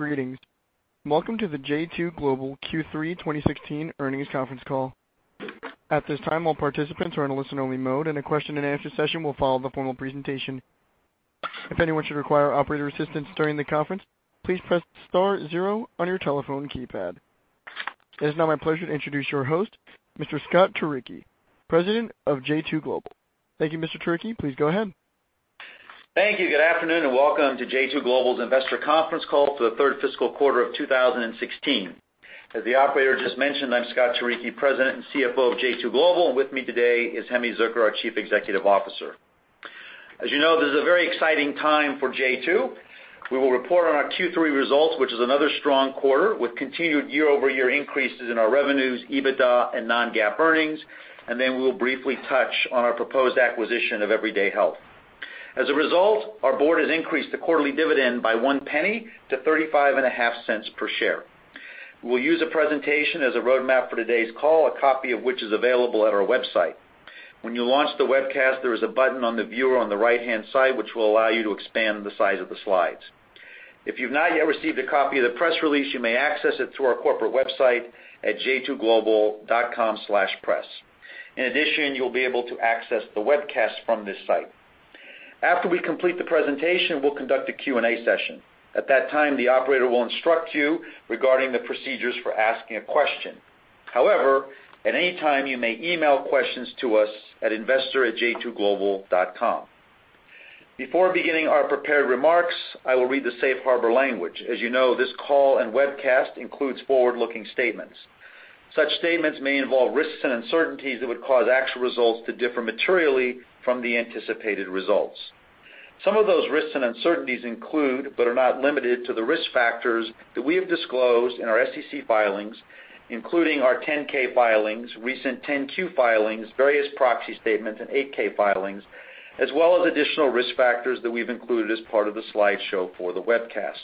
Greetings. Welcome to the j2 Global Q3 2016 earnings conference call. At this time, all participants are in a listen-only mode, and a question and answer session will follow the formal presentation. If anyone should require operator assistance during the conference, please press star zero on your telephone keypad. It is now my pleasure to introduce your host, Mr. Scott Turicchi, President of j2 Global. Thank you, Mr. Turicchi. Please go ahead. Thank you. Good afternoon, welcome to j2 Global's investor conference call for the third fiscal quarter of 2016. As the operator just mentioned, I'm Scott Turicchi, President and CFO of j2 Global. With me today is Hemi Zucker, our Chief Executive Officer. As you know, this is a very exciting time for j2. We will report on our Q3 results, which is another strong quarter with continued year-over-year increases in our revenues, EBITDA, and non-GAAP earnings, we will briefly touch on our proposed acquisition of Everyday Health. As a result, our board has increased the quarterly dividend by one penny to $0.355 per share. We'll use a presentation as a roadmap for today's call, a copy of which is available at our website. When you launch the webcast, there is a button on the viewer on the right-hand side, which will allow you to expand the size of the slides. If you've not yet received a copy of the press release, you may access it through our corporate website at j2global.com/press. You'll be able to access the webcast from this site. After we complete the presentation, we'll conduct a Q&A session. At that time, the operator will instruct you regarding the procedures for asking a question. At any time, you may email questions to us at investor@j2global.com. Before beginning our prepared remarks, I will read the safe harbor language. As you know, this call and webcast includes forward-looking statements. Such statements may involve risks and uncertainties that would cause actual results to differ materially from the anticipated results. Some of those risks and uncertainties include, are not limited to, the risk factors that we have disclosed in our SEC filings, including our 10-K filings, recent 10-Q filings, various proxy statements, and 8-K filings, as well as additional risk factors that we've included as part of the slideshow for the webcast.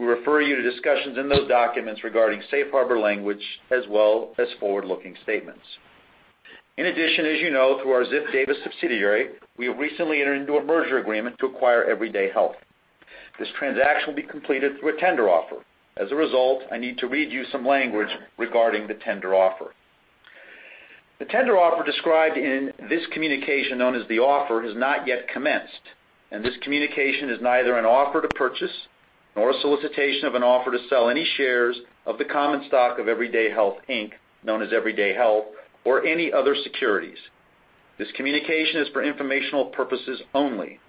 We refer you to discussions in those documents regarding safe harbor language as well as forward-looking statements. As you know, through our Ziff Davis subsidiary, we have recently entered into a merger agreement to acquire Everyday Health. This transaction will be completed through a tender offer. As a result, I need to read you some language regarding the tender offer. The tender offer described in this communication, known as the offer, has not yet commenced. This communication is neither an offer to purchase nor a solicitation of an offer to sell any shares of the common stock of Everyday Health, Inc., known as Everyday Health, or any other securities. This communication is for informational purposes only.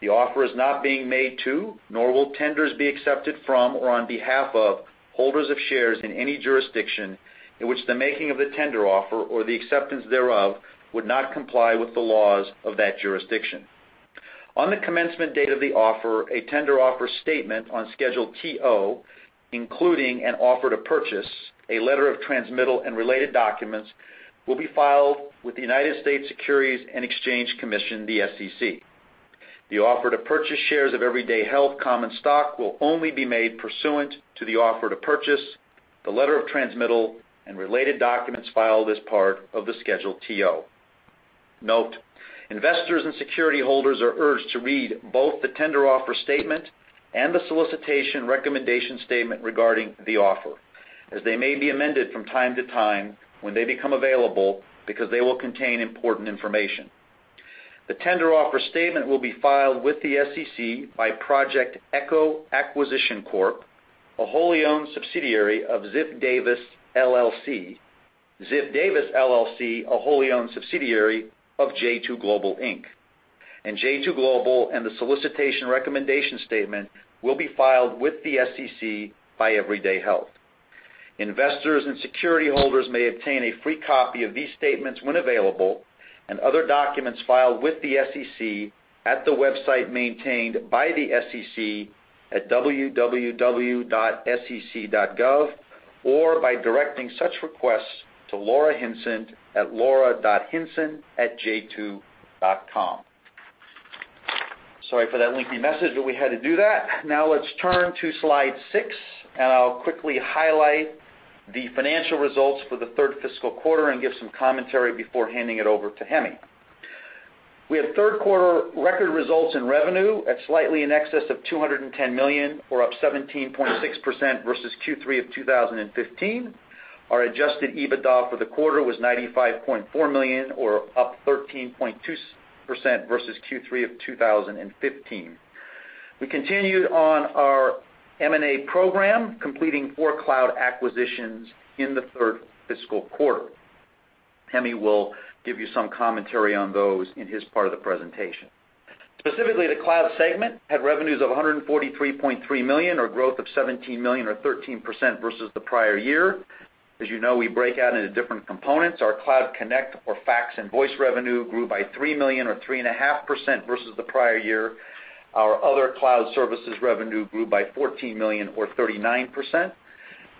The offer is not being made to, nor will tenders be accepted from or on behalf of, holders of shares in any jurisdiction in which the making of the tender offer or the acceptance thereof would not comply with the laws of that jurisdiction. On the commencement date of the offer, a tender offer statement on Schedule TO, including an offer to purchase, a letter of transmittal, and related documents, will be filed with the United States Securities and Exchange Commission, the SEC. The offer to purchase shares of Everyday Health common stock will only be made pursuant to the offer to purchase, the letter of transmittal, and related documents filed as part of the Schedule TO. Note, investors and security holders are urged to read both the tender offer statement and the solicitation recommendation statement regarding the offer, as they may be amended from time to time when they become available, because they will contain important information. The tender offer statement will be filed with the SEC by Project Echo Acquisition Corp., a wholly owned subsidiary of Ziff Davis, LLC. Ziff Davis, LLC, a wholly owned subsidiary of j2 Global, Inc. j2 Global and the solicitation recommendation statement will be filed with the SEC by Everyday Health. Investors and security holders may obtain a free copy of these statements when available and other documents filed with the SEC at the website maintained by the SEC at www.sec.gov or by directing such requests to Laura Hinson at laura.hinson@j2.com. Sorry for that lengthy message, but we had to do that. Let's turn to slide six, and I'll quickly highlight the financial results for the third fiscal quarter and give some commentary before handing it over to Hemi. We have third quarter record results in revenue at slightly in excess of $210 million or up 17.6% versus Q3 of 2015. Our adjusted EBITDA for the quarter was $95.4 million or up 13.2% versus Q3 of 2015. We continued on our M&A program, completing four cloud acquisitions in the third fiscal quarter. Hemi will give you some commentary on those in his part of the presentation. Specifically, the cloud segment had revenues of $143.3 million or growth of $17 million or 13% versus the prior year. As you know, we break out into different components. Our Cloud Connect or fax and voice revenue grew by $3 million or 3.5% versus the prior year. Our other cloud services revenue grew by $14 million or 39%.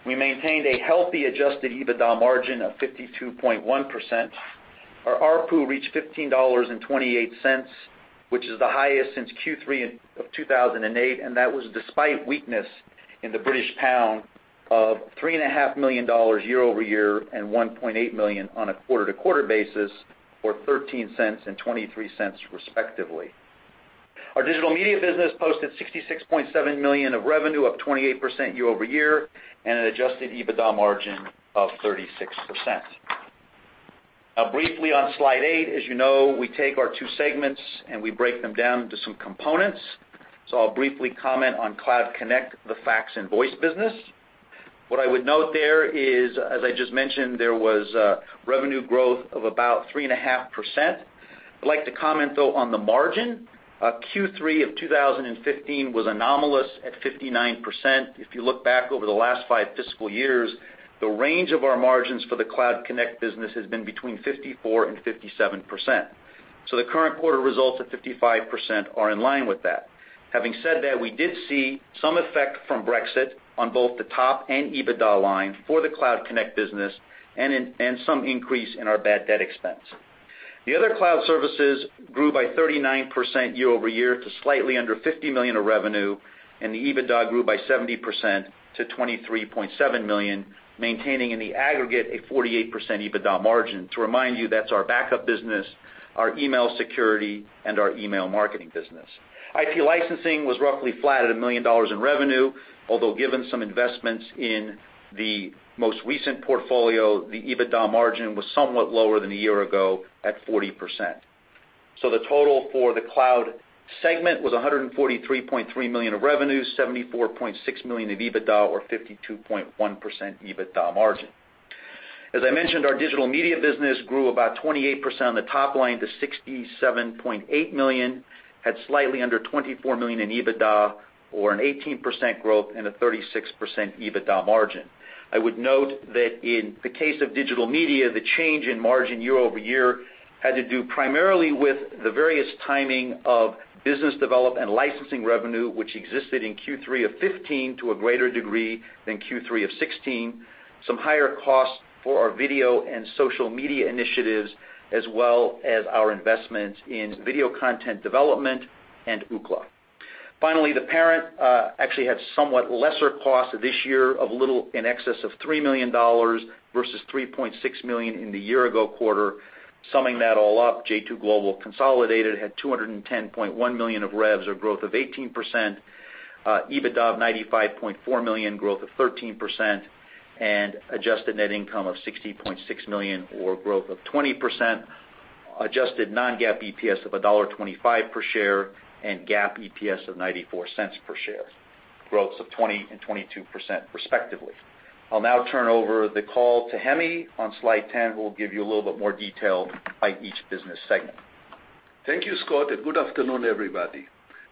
We maintained a healthy adjusted EBITDA margin of 52.1%. Our ARPU reached $15.28, which is the highest since Q3 of 2008, and that was despite weakness in the British pound of GBP 3.5 million year-over-year, and $1.8 million on a quarter-to-quarter basis, or $0.13 and $0.23 respectively. Our digital media business posted $66.7 million of revenue, up 28% year-over-year, and an adjusted EBITDA margin of 36%. Briefly on Slide 8, as you know, we take our two segments, and we break them down to some components. I'll briefly comment on Cloud Connect, the fax and voice business. What I would note there is, as I just mentioned, there was a revenue growth of about 3.5%. I'd like to comment, though, on the margin. Q3 of 2015 was anomalous at 59%. If you look back over the last five fiscal years, the range of our margins for the Cloud Connect business has been between 54% and 57%. The current quarter results of 55% are in line with that. Having said that, we did see some effect from Brexit on both the top and EBITDA line for the Cloud Connect business and some increase in our bad debt expense. The other cloud services grew by 39% year-over-year to slightly under $50 million of revenue, and the EBITDA grew by 70% to $23.7 million, maintaining in the aggregate a 48% EBITDA margin. To remind you, that's our backup business, our email security, and our email marketing business. IP licensing was roughly flat at $1 million in revenue. Although, given some investments in the most recent portfolio, the EBITDA margin was somewhat lower than a year ago at 40%. The total for the cloud segment was $143.3 million of revenue, $74.6 million of EBITDA or 52.1% EBITDA margin. As I mentioned, our digital media business grew about 25% on the top line to $67.8 million, at slightly under $24 million in EBITDA or an 18% growth and a 36% EBITDA margin. I would note that in the case of digital media, the change in margin year-over-year had to do primarily with the various timing of business development and licensing revenue which existed in Q3 of 2015 to a greater degree than Q3 of 2016. Some higher costs for our video and social media initiatives as well as our investments in video content development and Ookla. Finally, the parent actually had somewhat lesser costs this year of little in excess of $3 million versus $3.6 million in the year-ago quarter. Summing that all up, j2 Global consolidated had $210.1 million of revs, a growth of 18%, EBITDA of $95.4 million, growth of 13%, and adjusted net income of $60.6 million or growth of 20%, adjusted non-GAAP EPS of $1.25 per share and GAAP EPS of $0.94 per share, growths of 20% and 22% respectively. I'll now turn over the call to Hemi. On Slide 10, we'll give you a little bit more detail by each business segment. Thank you, Scott, and good afternoon, everybody.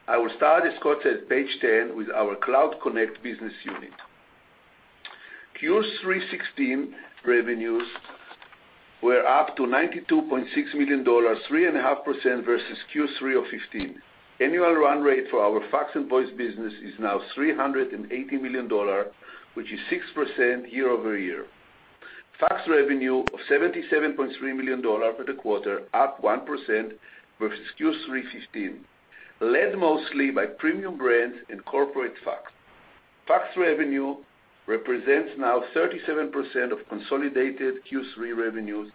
I will start, as Scott said, page 10 with our Cloud Connect business unit. Q3 2016 revenues were up to $92.6 million, 3.5% versus Q3 of 2015. Annual run rate for our fax and voice business is now $380 million, which is 6% year-over-year. Fax revenue of $77.3 million for the quarter, up 1% versus Q3 2015, led mostly by premium brands and corporate fax. Fax revenue represents now 37% of consolidated Q3 revenues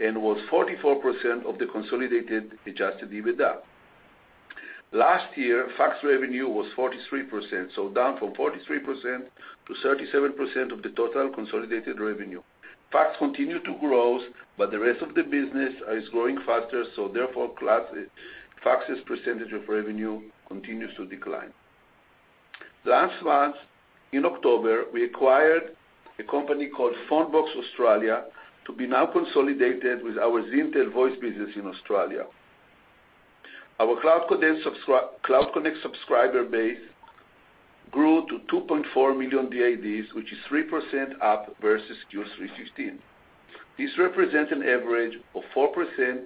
and was 44% of the consolidated adjusted EBITDA. Last year, fax revenue was 43%, down from 43% to 37% of the total consolidated revenue. Fax continue to grows, but the rest of the business is growing faster, therefore, fax's percentage of revenue continues to decline. Last month, in October, we acquired a company called Fonebox Australia to be now consolidated with our Zintel voice business in Australia. Our Cloud Connect subscriber base grew to 2.4 million DIDs, which is 3% up versus Q3 2016. This represents an average of 4%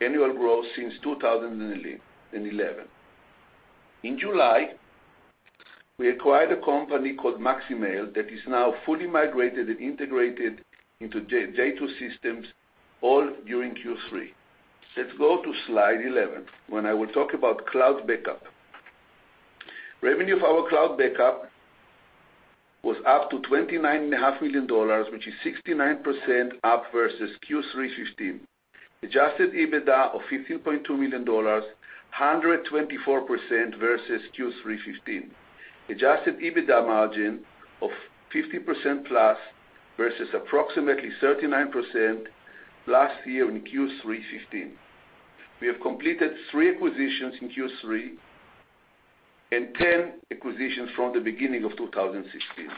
annual growth since 2011. In July, we acquired a company called MaxiMail that is now fully migrated and integrated into j2 systems all during Q3. Let's go to slide 11 when I will talk about Cloud Backup. Revenue for our Cloud Backup was up to $29.5 million, which is 69% up versus Q3 2015. Adjusted EBITDA of $15.2 million, 124% versus Q3 2015. Adjusted EBITDA margin of 50% plus versus approximately 39% last year in Q3 2015. We have completed three acquisitions in Q3 and 10 acquisitions from the beginning of 2016.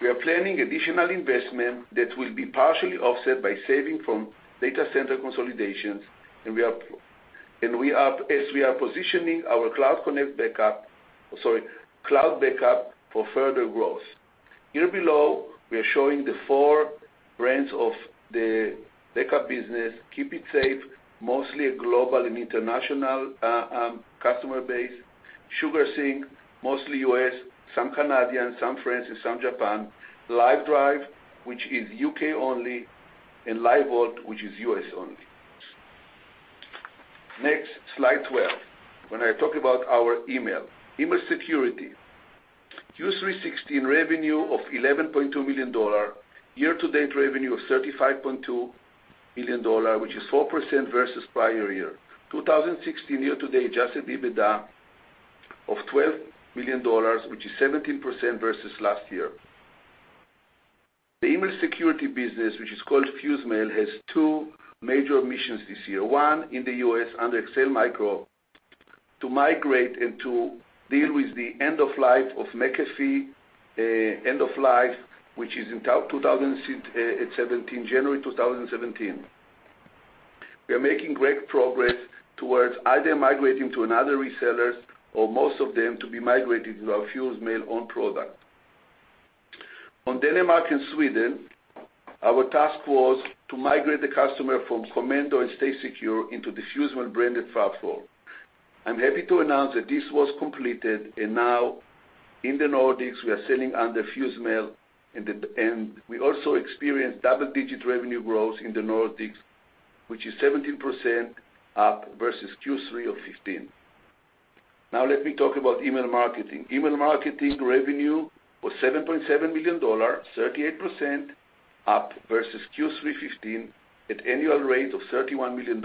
We are planning additional investment that will be partially offset by saving from data center consolidations, as we are positioning our Cloud Backup for further growth. Here below, we are showing the four brands of the backup business. KeepItSafe, mostly a global and international customer base. SugarSync, mostly U.S., some Canadian, some French, and some Japan. Livedrive, which is U.K. only, and LiveVault, which is U.S. only. Next, slide 12. When I talk about our email. Email security. Q3 2016 revenue of $11.2 million. Year-to-date revenue of $35.2 million, which is 4% versus prior year. 2016 year to date, adjusted EBITDA of $12 million, which is 17% versus last year. The email security business, which is called FuseMail, has two major missions this year. One, in the U.S. under Excel Micro, to migrate and to deal with the end of life of McAfee, end of life, which is in January 2017. We are making great progress towards either migrating to another resellers or most of them to be migrated to our FuseMail own product. On Denmark and Sweden, our task was to migrate the customer from Comendo and StaySecure into the FuseMail branded platform. I'm happy to announce that this was completed, and now in the Nordics, we are selling under FuseMail, and we also experienced double-digit revenue growth in the Nordics, which is 17% up versus Q3 2015. Now let me talk about email marketing. Email marketing revenue was $7.7 million, 38% up versus Q3 2015 at annual rate of $31 million.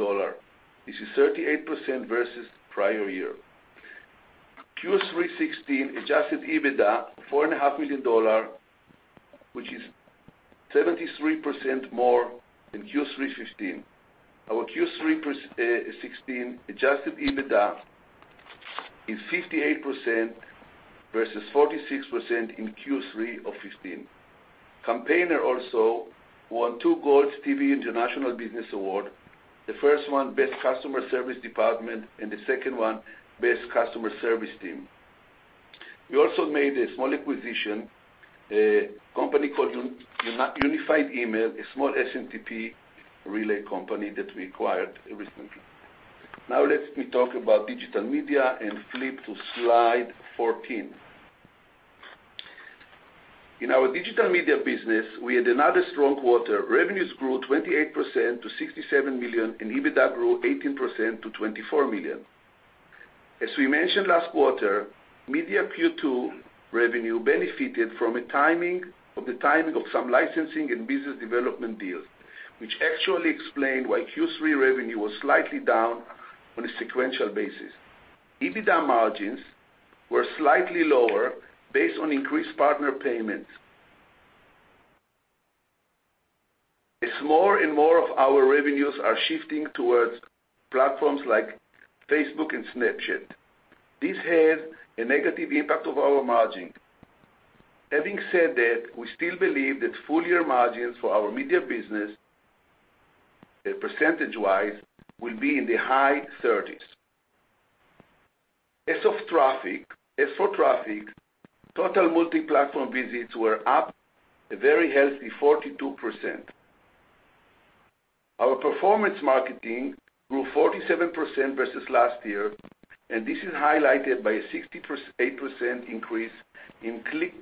This is 38% versus prior year. Q3 2016 adjusted EBITDA, $4.5 million, which is 73% more than Q3 2015. Our Q3 2016 adjusted EBITDA is 58% versus 46% in Q3 2015. Campaigner also won two Gold Stevie International Business Awards. The first one, Best Customer Service Department, and the second one, Best Customer Service Team. We also made a small acquisition, a company called UnifiedEmail, a small SMTP relay company that we acquired recently. Now let me talk about digital media and flip to slide 14. In our digital media business, we had another strong quarter. Revenues grew 28% to $67 million and EBITDA grew 18% to $24 million. As we mentioned last quarter, media Q2 revenue benefited from the timing of some licensing and business development deals, which actually explain why Q3 revenue was slightly down on a sequential basis. EBITDA margins were slightly lower based on increased partner payments. As more and more of our revenues are shifting towards platforms like Facebook and Snapchat, this has a negative impact of our margin. Having said that, we still believe that full-year margins for our media business, percentage-wise, will be in the high 30s. As for traffic, total multi-platform visits were up a very healthy 42%. This is highlighted by a 68% increase in clicks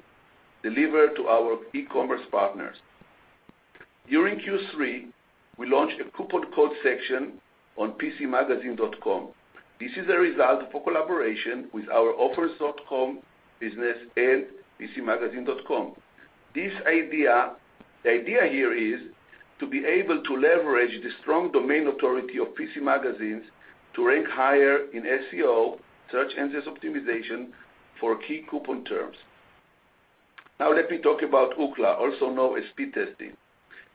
delivered to our e-commerce partners. During Q3, we launched a coupon code section on pcmagazine.com. This is a result of a collaboration with our offers.com business and pcmagazine.com. The idea here is to be able to leverage the strong domain authority of PC Magazine to rank higher in SEO, search engines optimization, for key coupon terms. Now let me talk about Ookla, also known as Speedtest.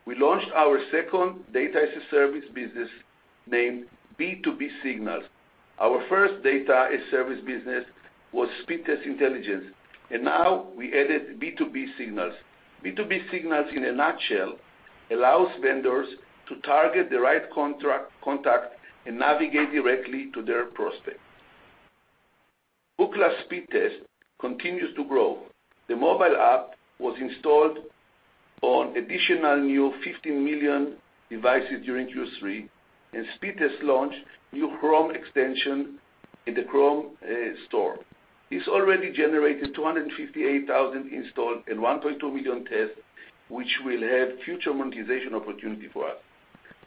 We launched our second data as a service business named B2B Signals. Our first data as service business was Speedtest Intelligence. Now we added B2B Signals. B2B Signals, in a nutshell, allows vendors to target the right contact and navigate directly to their prospect. Ookla Speedtest continues to grow. The mobile app was installed on additional new 50 million devices during Q3. Speedtest launched new Chrome extension in the Chrome Store. It's already generated 258,000 installs and 1.2 million tests, which will have future monetization opportunity for us.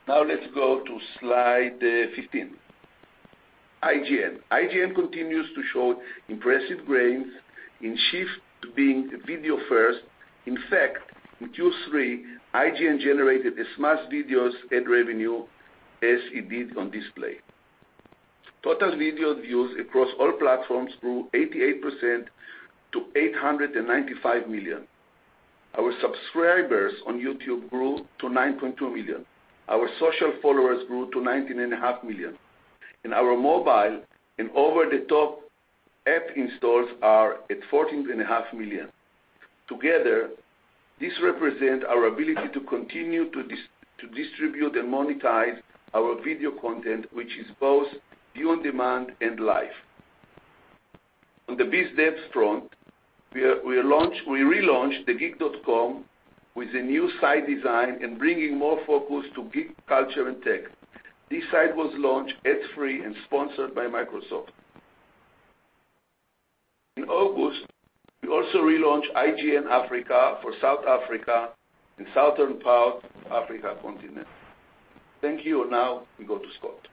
Now let's go to slide 15. IGN. IGN continues to show impressive gains and shift to being video first. In fact, in Q3, IGN generated as much video ad revenue as it did on display. Total video views across all platforms grew 88% to 895 million. Our subscribers on YouTube grew to 9.2 million. Our social followers grew to 19.5 million. Our mobile and over-the-top app installs are at 14.5 million. Together, this represents our ability to continue to distribute and monetize our video content, which is both video-on-demand and live. On the biz devs front, we relaunched geek.com with a new site design and bringing more focus to geek culture and tech. This site was launched ad free and sponsored by Microsoft. In August, we also relaunched IGN Africa for South Africa and southern part Africa continent. Thank you. Now we go to Scott.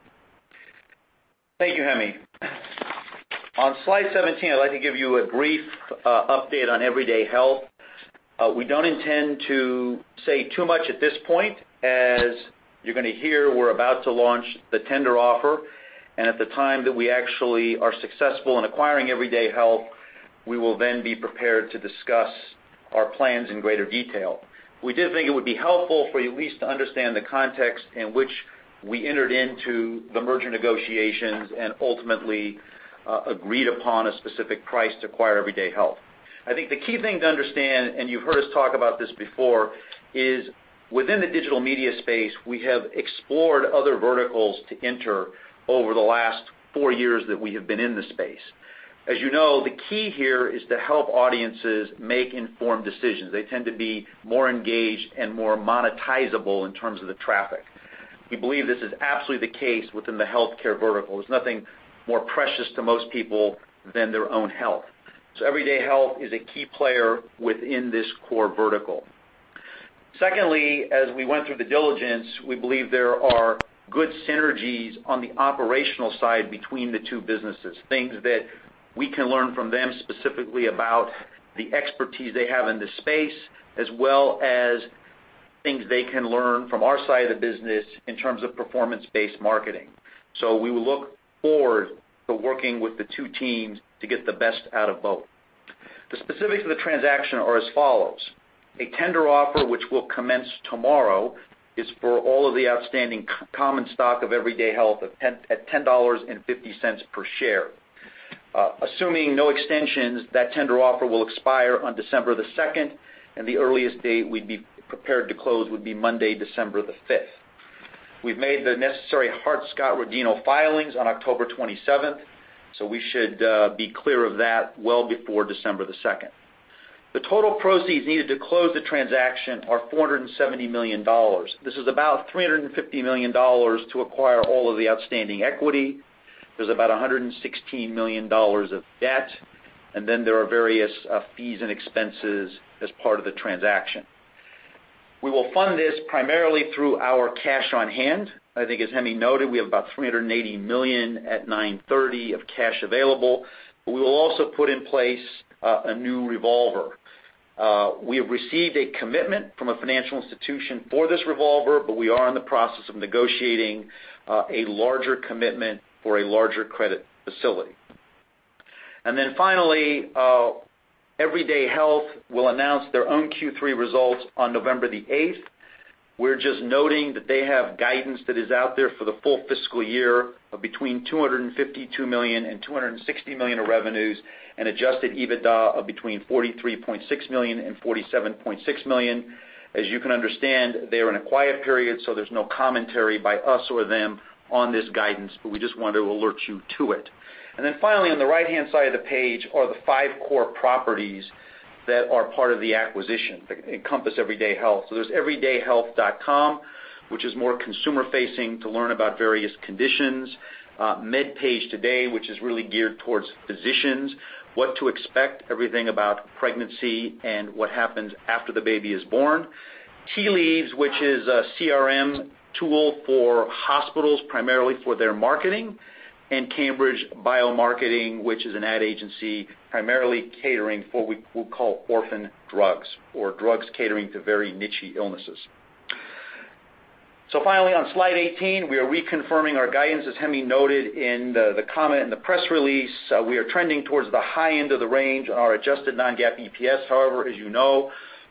Thank you, Hemi. On slide 17, I'd like to give you a brief update on Everyday Health. We don't intend to say too much at this point, as you're going to hear, we're about to launch the tender offer. At the time that we actually are successful in acquiring Everyday Health, we will then be prepared to discuss our plans in greater detail. We did think it would be helpful for you at least to understand the context in which we entered into the merger negotiations and ultimately agreed upon a specific price to acquire Everyday Health. You've heard us talk about this before, is within the digital media space, we have explored other verticals to enter over the last four years that we have been in this space. As you know, the key here is to help audiences make informed decisions. They tend to be more engaged and more monetizable in terms of the traffic. We believe this is absolutely the case within the healthcare vertical. There's nothing more precious to most people than their own health. Everyday Health is a key player within this core vertical. Secondly, as we went through the diligence, we believe there are good synergies on the operational side between the two businesses. Things that we can learn from them specifically about the expertise they have in this space, as well as things they can learn from our side of the business in terms of performance-based marketing. We will look forward to working with the two teams to get the best out of both. The specifics of the transaction are as follows. A tender offer, which will commence tomorrow, is for all of the outstanding common stock of Everyday Health at $10.50 per share. Assuming no extensions, that tender offer will expire on December 2nd, and the earliest date we'd be prepared to close would be Monday, December 5th. We've made the necessary Hart-Scott-Rodino filings on October 27th, so we should be clear of that well before December 2nd. The total proceeds needed to close the transaction are $470 million. This is about $350 million to acquire all of the outstanding equity. There's about $116 million of debt, and then there are various fees and expenses as part of the transaction. We will fund this primarily through our cash on hand. I think as Hemi noted, we have about $380 million at 9/30 of cash available. We will also put in place a new revolver. We have received a commitment from a financial institution for this revolver, but we are in the process of negotiating a larger commitment for a larger credit facility. Everyday Health will announce their own Q3 results on November 8th. We're just noting that they have guidance that is out there for the full fiscal year of between $252 million and $260 million of revenues and adjusted EBITDA of between $43.6 million and $47.6 million. As you can understand, they are in a quiet period, so there's no commentary by us or them on this guidance, but we just wanted to alert you to it. Finally, on the right-hand side of the page are the five core properties that are part of the acquisition that encompass Everyday Health. There's everydayhealth.com, which is more consumer-facing to learn about various conditions. MedPage Today, which is really geared towards physicians, What to Expect, everything about pregnancy and what happens after the baby is born. Tea Leaves, which is a CRM tool for hospitals, primarily for their marketing. Cambridge BioMarketing, which is an ad agency primarily catering for what we call orphan drugs or drugs catering to very niche illnesses. Finally, on slide 18, we are reconfirming our guidance. As Hemi noted in the comment in the press release, we are trending towards the high end of the range on our adjusted non-GAAP EPS. However, as you know,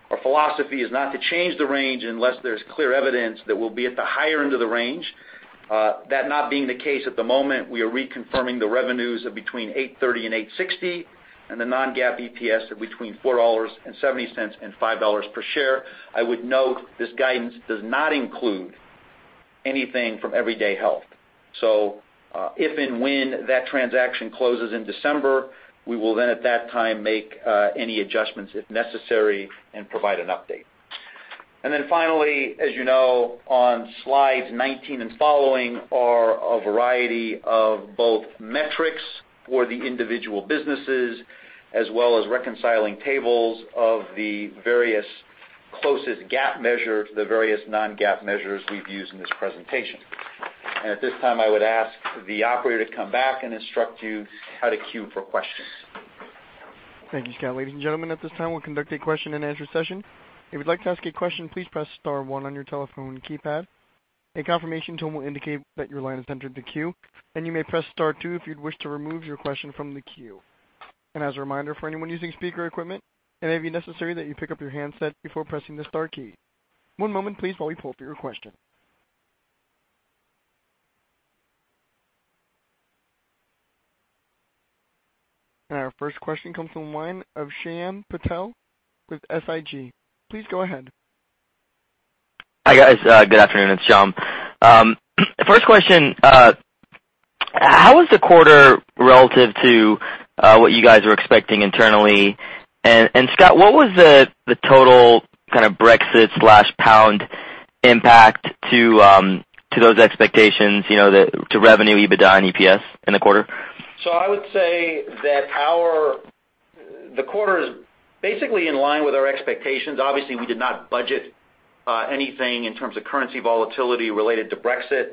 our philosophy is not to change the range unless there's clear evidence that we'll be at the higher end of the range. That not being the case at the moment, we are reconfirming the revenues of between $830 million and $860 million, and the non-GAAP EPS of between $4.70 and $5 per share. I would note this guidance does not include anything from Everyday Health. If and when that transaction closes in December, we will then at that time make any adjustments if necessary and provide an update. Finally, as you know, on slides 19 and following are a variety of both metrics for the individual businesses as well as reconciling tables of the various closest GAAP measure to the various non-GAAP measures we've used in this presentation. At this time, I would ask the operator to come back and instruct you how to queue for questions. Thank you, Scott. Ladies and gentlemen, at this time, we'll conduct a question-and-answer session. If you'd like to ask a question, please press star one on your telephone keypad. A confirmation tone will indicate that your line has entered the queue, and you may press star two if you'd wish to remove your question from the queue. As a reminder for anyone using speaker equipment, it may be necessary that you pick up your handset before pressing the star key. One moment, please, while we pull up your question. Our first question comes from the line of Shyam Patil with SIG. Please go ahead. Hi, guys. Good afternoon. It's Shyam. First question, how was the quarter relative to what you guys were expecting internally? Scott, what was the total kind of Brexit/pound impact to those expectations, to revenue, EBITDA and EPS in the quarter? I would say that the quarter is basically in line with our expectations. Obviously, we did not budget anything in terms of currency volatility related to Brexit.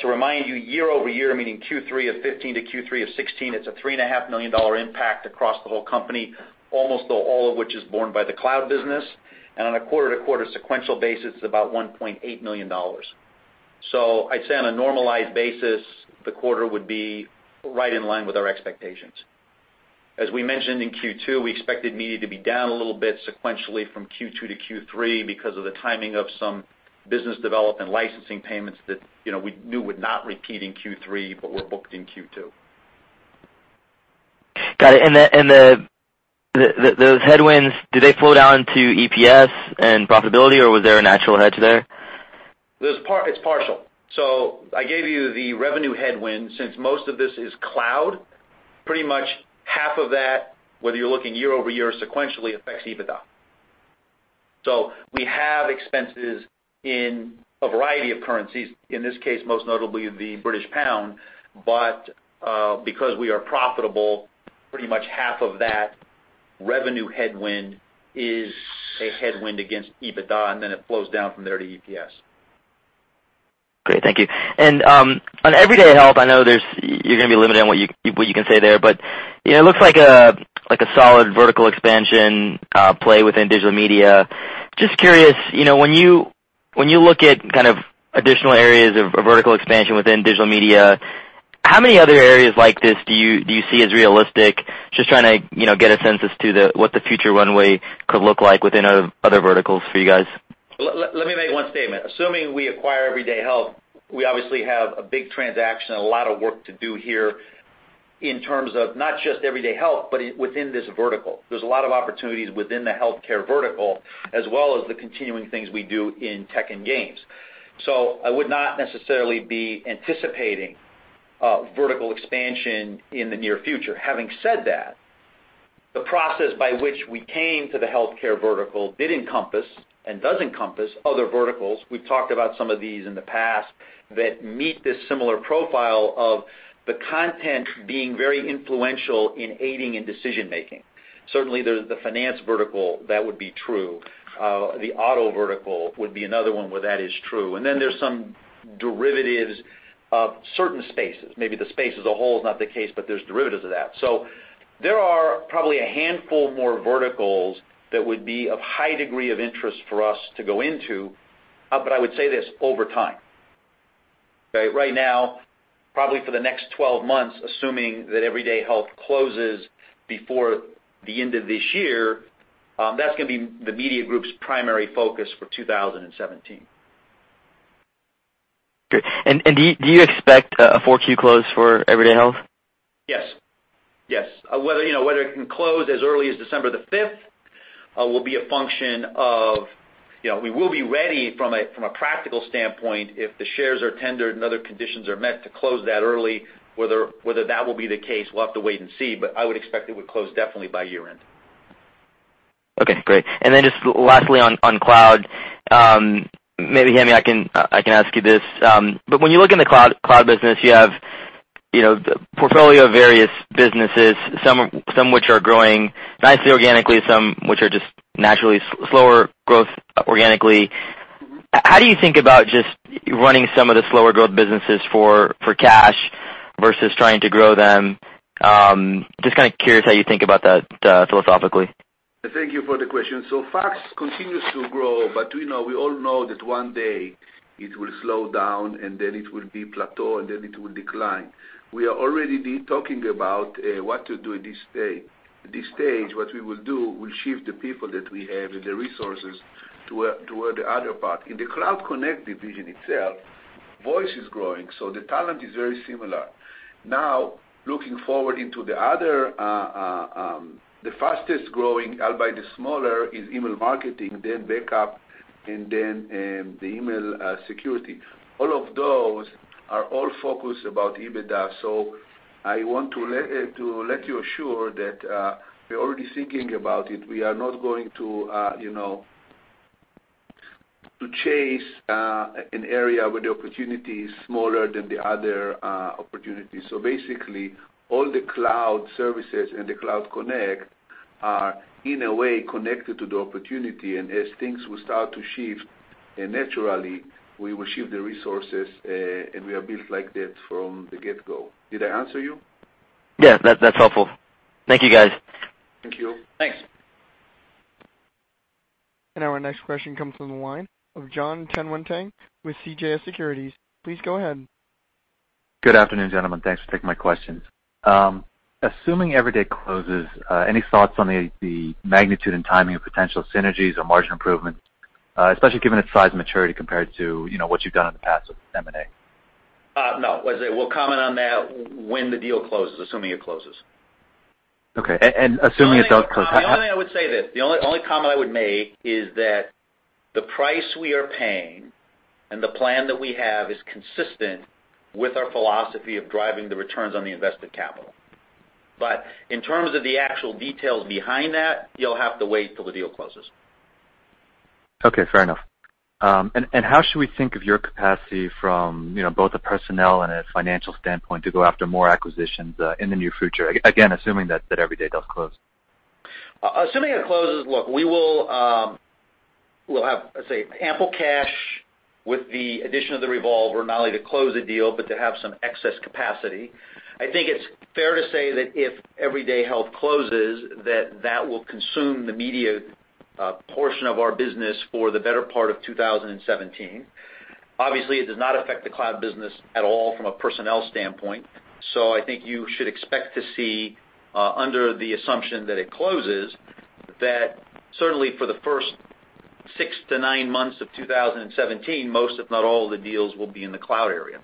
To remind you, year-over-year, meaning Q3 of 2015 to Q3 of 2016, it's a $3.5 million impact across the whole company, almost all of which is borne by the cloud business, and on a quarter-to-quarter sequential basis, about $1.8 million. I'd say on a normalized basis, the quarter would be right in line with our expectations. As we mentioned in Q2, we expected media to be down a little bit sequentially from Q2 to Q3 because of the timing of some business development licensing payments that we knew would not repeat in Q3, but were booked in Q2. Got it. Do those headwinds, do they flow down to EPS and profitability, or was there a natural hedge there? It's partial. I gave you the revenue headwind. Since most of this is cloud, pretty much half of that, whether you're looking year-over-year sequentially, affects EBITDA. We have expenses in a variety of currencies, in this case, most notably the British pound. Because we are profitable, pretty much half of that revenue headwind is a headwind against EBITDA, and then it flows down from there to EPS. Great. Thank you. On Everyday Health, I know you're going to be limited on what you can say there, but it looks like a solid vertical expansion play within digital media. Just curious, when you look at additional areas of vertical expansion within digital media, how many other areas like this do you see as realistic? Just trying to get a sense as to what the future runway could look like within other verticals for you guys. Let me make one statement. Assuming we acquire Everyday Health, we obviously have a big transaction and a lot of work to do here in terms of not just Everyday Health, but within this vertical. There's a lot of opportunities within the healthcare vertical, as well as the continuing things we do in tech and games. I would not necessarily be anticipating vertical expansion in the near future. Having said that, the process by which we came to the healthcare vertical did encompass and does encompass other verticals, we've talked about some of these in the past, that meet this similar profile of the content being very influential in aiding in decision-making. Certainly, the finance vertical, that would be true. The auto vertical would be another one where that is true. There's some derivatives of certain spaces. Maybe the space as a whole is not the case, but there's derivatives of that. There are probably a handful more verticals that would be of high degree of interest for us to go into. I would say this: over time. Right now, probably for the next 12 months, assuming that Everyday Health closes before the end of this year, that's going to be the media group's primary focus for 2017. Great. Do you expect a 4Q close for Everyday Health? Yes. Whether it can close as early as December the 5th will be a function of. We will be ready from a practical standpoint, if the shares are tendered and other conditions are met to close that early. Whether that will be the case, we'll have to wait and see, I would expect it would close definitely by year-end. Okay, great. Then just lastly on cloud. Maybe, Hemi, I can ask you this. When you look in the cloud business, you have a portfolio of various businesses, some which are growing nicely organically, some which are just naturally slower growth organically. How do you think about just running some of the slower growth businesses for cash versus trying to grow them? Just kind of curious how you think about that philosophically. Thank you for the question. Fax continues to grow, but we all know that one day it will slow down, and then it will be plateau, and then it will decline. We are already talking about what to do at this stage. What we will do, we'll shift the people that we have and the resources toward the other part. In the Cloud Connect division itself, voice is growing, the talent is very similar. Looking forward into the other, the fastest-growing, albeit smaller, is email marketing, then backup, and then the email security. All of those are all focused about EBITDA. I want to let you assure that we're already thinking about it. We are not going to chase an area where the opportunity is smaller than the other opportunities. Basically, all the cloud services and the Cloud Connect are, in a way, connected to the opportunity. As things will start to shift naturally, we will shift the resources, and we are built like that from the get-go. Did I answer you? Yeah. That's helpful. Thank you, guys. Thank you. Thanks. Our next question comes from the line of John Tanwanteng with CJS Securities. Please go ahead. Good afternoon, gentlemen. Thanks for taking my questions. Assuming Everyday closes, any thoughts on the magnitude and timing of potential synergies or margin improvement, especially given its size and maturity compared to what you've done in the past with M&A? No. We'll comment on that when the deal closes, assuming it closes. Okay. Assuming it does close. The only thing I would say is, the only comment I would make is that the price we are paying and the plan that we have is consistent with our philosophy of driving the returns on the invested capital. In terms of the actual details behind that, you'll have to wait till the deal closes. Okay, fair enough. How should we think of your capacity from both a personnel and a financial standpoint to go after more acquisitions in the near future? Again, assuming that Everyday Health closes. Assuming it closes, look, we'll have, let's say, ample cash with the addition of the revolver, not only to close the deal but to have some excess capacity. I think it's fair to say that if Everyday Health closes, that that will consume the immediate portion of our business for the better part of 2017. Obviously, it does not affect the cloud business at all from a personnel standpoint. I think you should expect to see, under the assumption that it closes, that certainly for the first six to nine months of 2017, most, if not all, of the deals will be in the cloud area.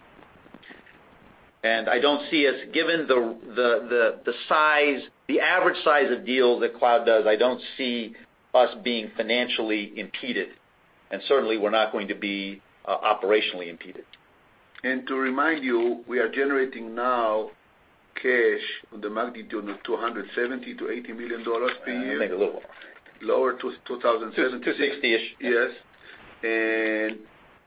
I don't see us, given the average size of deals that cloud does, I don't see us being financially impeded, and certainly we're not going to be operationally impeded. To remind you, we are generating now cash on the magnitude of $270 to $280 million. I think a little lower. Lower to 2017. 260-ish. Yes.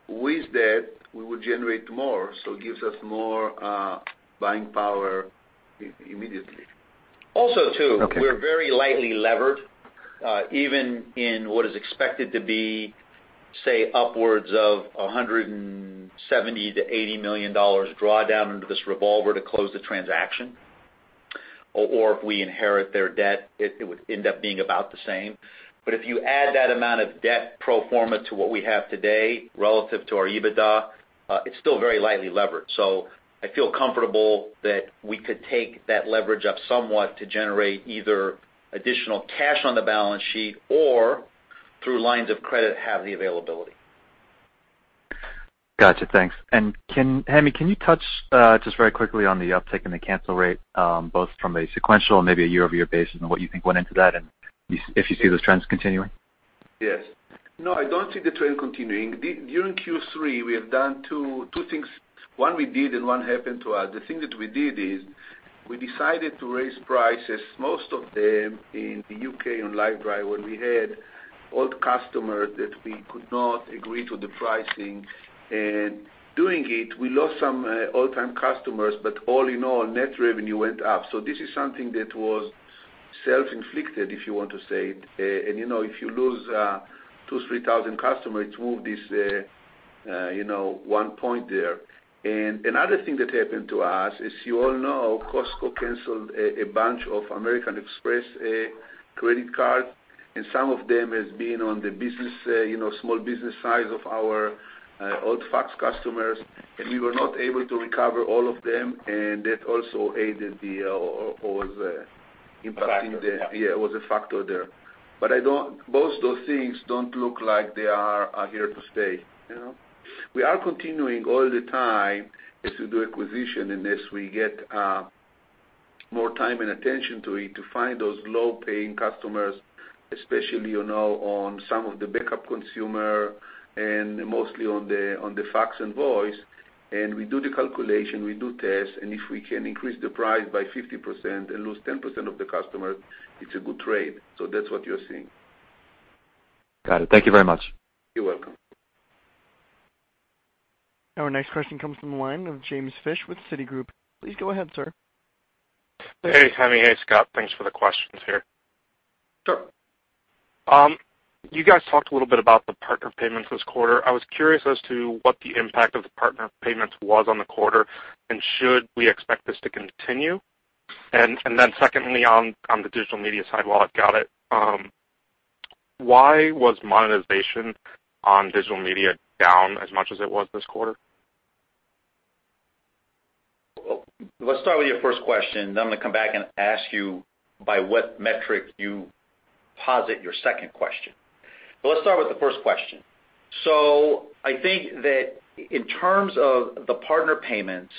With that, we would generate more, so it gives us more buying power immediately. Also too. Okay We're very lightly levered, even in what is expected to be, say, upwards of $170 million-$180 million draw down into this revolver to close the transaction. If we inherit their debt, it would end up being about the same. If you add that amount of debt pro forma to what we have today relative to our EBITDA, it's still very lightly levered. I feel comfortable that we could take that leverage up somewhat to generate either additional cash on the balance sheet or through lines of credit, have the availability. Got you. Thanks. Hemi, can you touch just very quickly on the uptick and the cancel rate, both from a sequential and maybe a year-over-year basis, and what you think went into that, and if you see those trends continuing? Yes. No, I don't see the trend continuing. During Q3, we have done two things. One we did, and one happened to us. The thing that we did is we decided to raise prices, most of them in the U.K. on Livedrive, where we had old customers that we could not agree to the pricing. Doing it, we lost some old-time customers, all in all, net revenue went up. This is something that was self-inflicted, if you want to say it. If you lose 2,000, 3,000 customers, it moved this one point there. Another thing that happened to us is, you all know Costco canceled a bunch of American Express credit cards. Some of them as being on the small business size of our old fax customers, we were not able to recover all of them. That also aided the whole. Factor. Yeah, it was a factor there. Both those things don't look like they are here to stay. We are continuing all the time as we do acquisition, and as we get more time and attention to it, to find those low-paying customers, especially on some of the backup consumer and mostly on the fax and voice. We do the calculation, we do tests, and if we can increase the price by 50% and lose 10% of the customer, it's a good trade. That's what you're seeing. Got it. Thank you very much. You're welcome. Our next question comes from the line of James Fish with Citigroup. Please go ahead, sir. Hey, Hemi. Hey, Scott. Thanks for the questions here. Sure. You guys talked a little bit about the partner payments this quarter. I was curious as to what the impact of the partner payments was on the quarter, should we expect this to continue? Secondly, on the digital media side, while I've got it, why was monetization on digital media down as much as it was this quarter? Let's start with your first question, then I'm going to come back and ask you by what metric you posit your second question. Let's start with the first question. I think that in terms of the partner payments,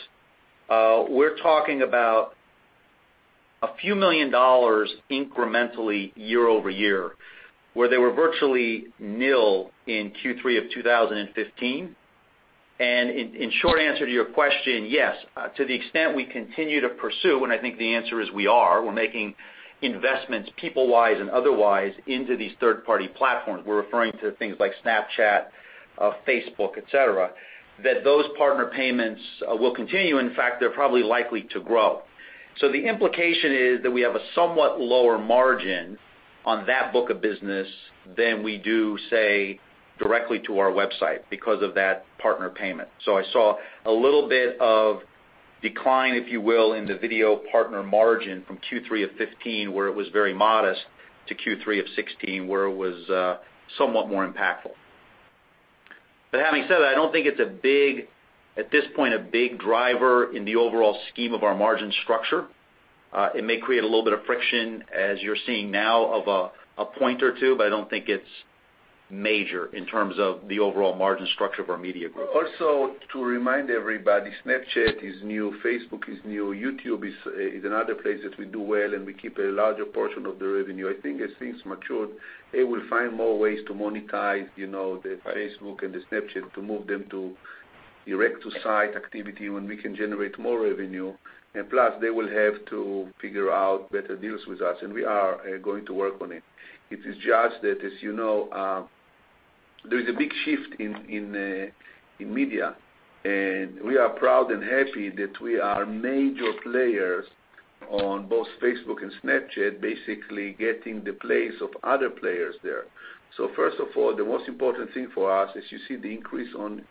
we're talking about a few million dollars incrementally year-over-year, where they were virtually nil in Q3 of 2015. In short answer to your question, yes. To the extent we continue to pursue, and I think the answer is we are, we're making investments people-wise and otherwise into these third-party platforms. We're referring to things like Snapchat, Facebook, et cetera, that those partner payments will continue. In fact, they're probably likely to grow. The implication is that we have a somewhat lower margin on that book of business than we do, say, directly to our website because of that partner payment. I saw a little bit of decline, if you will, in the video partner margin from Q3 of '15, where it was very modest, to Q3 of '16, where it was somewhat more impactful. Having said that, I don't think, at this point, a big driver in the overall scheme of our margin structure. It may create a little bit of friction, as you're seeing now, of a point or two, I don't think it's major in terms of the overall margin structure of our media group. Also, to remind everybody, Snapchat is new, Facebook is new, YouTube is another place that we do well, and we keep a larger portion of the revenue. I think as things mature, they will find more ways to monetize the Facebook and the Snapchat to move them direct-to-site activity when we can generate more revenue. Plus, they will have to figure out better deals with us, and we are going to work on it. It is just that, as you know, there is a big shift in media, and we are proud and happy that we are major players on both Facebook and Snapchat, basically getting the place of other players there. First of all, the most important thing for us is you see the increase on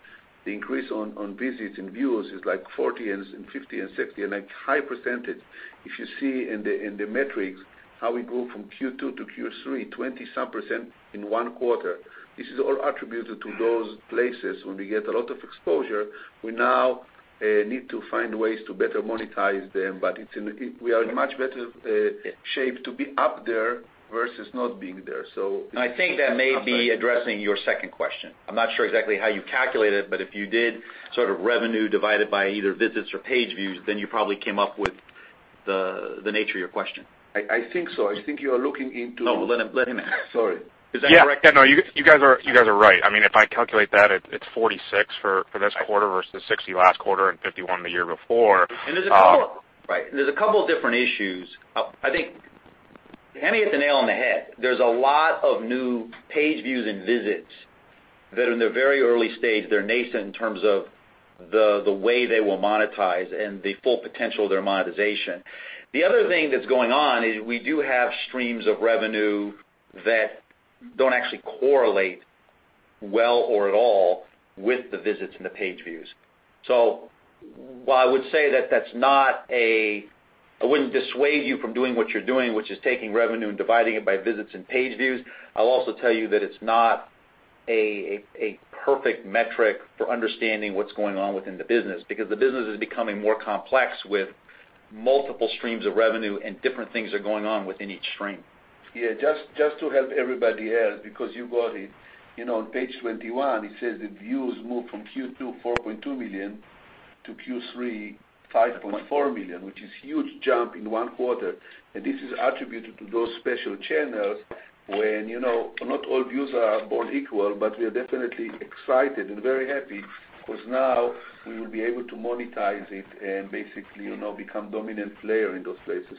visits and views is like 40 and 50 and 60, and a high percentage. If you see in the metrics how we go from Q2 to Q3, 20 some percent in one quarter. This is all attributed to those places where we get a lot of exposure. We now need to find ways to better monetize them, but we are in much better shape to be up there versus not being there. I think that may be addressing your second question. I am not sure exactly how you calculate it, but if you did sort of revenue divided by either visits or page views, then you probably came up with the nature of your question. I think so. I think you are looking into. No, let him answer. Sorry. Is that correct? Yeah. You guys are right. If I calculate that, it's 46 for this quarter versus 60 last quarter and 51 the year before. There's a couple of different issues. I think Hemi hit the nail on the head. There's a lot of new page views and visits that are in their very early stage. They're nascent in terms of the way they will monetize and the full potential of their monetization. The other thing that's going on is we do have streams of revenue that don't actually correlate well or at all with the visits and the page views. While I would say that I wouldn't dissuade you from doing what you're doing, which is taking revenue and dividing it by visits and page views, I'll also tell you that it's not a perfect metric for understanding what's going on within the business, because the business is becoming more complex with multiple streams of revenue and different things are going on within each stream. Yeah, just to help everybody else, because you got it. On page 21, it says the views moved from Q2, 4.2 million, to Q3, 5.4 million, which is huge jump in one quarter. This is attributed to those special channels when not all views are born equal, but we are definitely excited and very happy because now we will be able to monetize it and basically become dominant player in those places.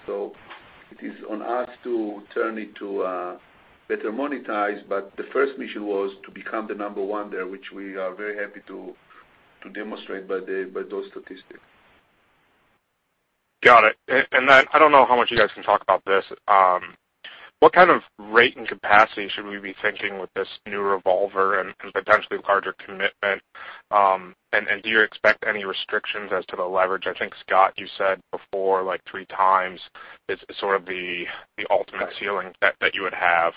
It is on us to turn it to better monetize, but the first mission was to become the number one there, which we are very happy to demonstrate by those statistics. Got it. I don't know how much you guys can talk about this. What kind of rate and capacity should we be thinking with this new revolver and potentially larger commitment? Do you expect any restrictions as to the leverage? I think, Scott, you said before, like three times is sort of the ultimate ceiling that you would have.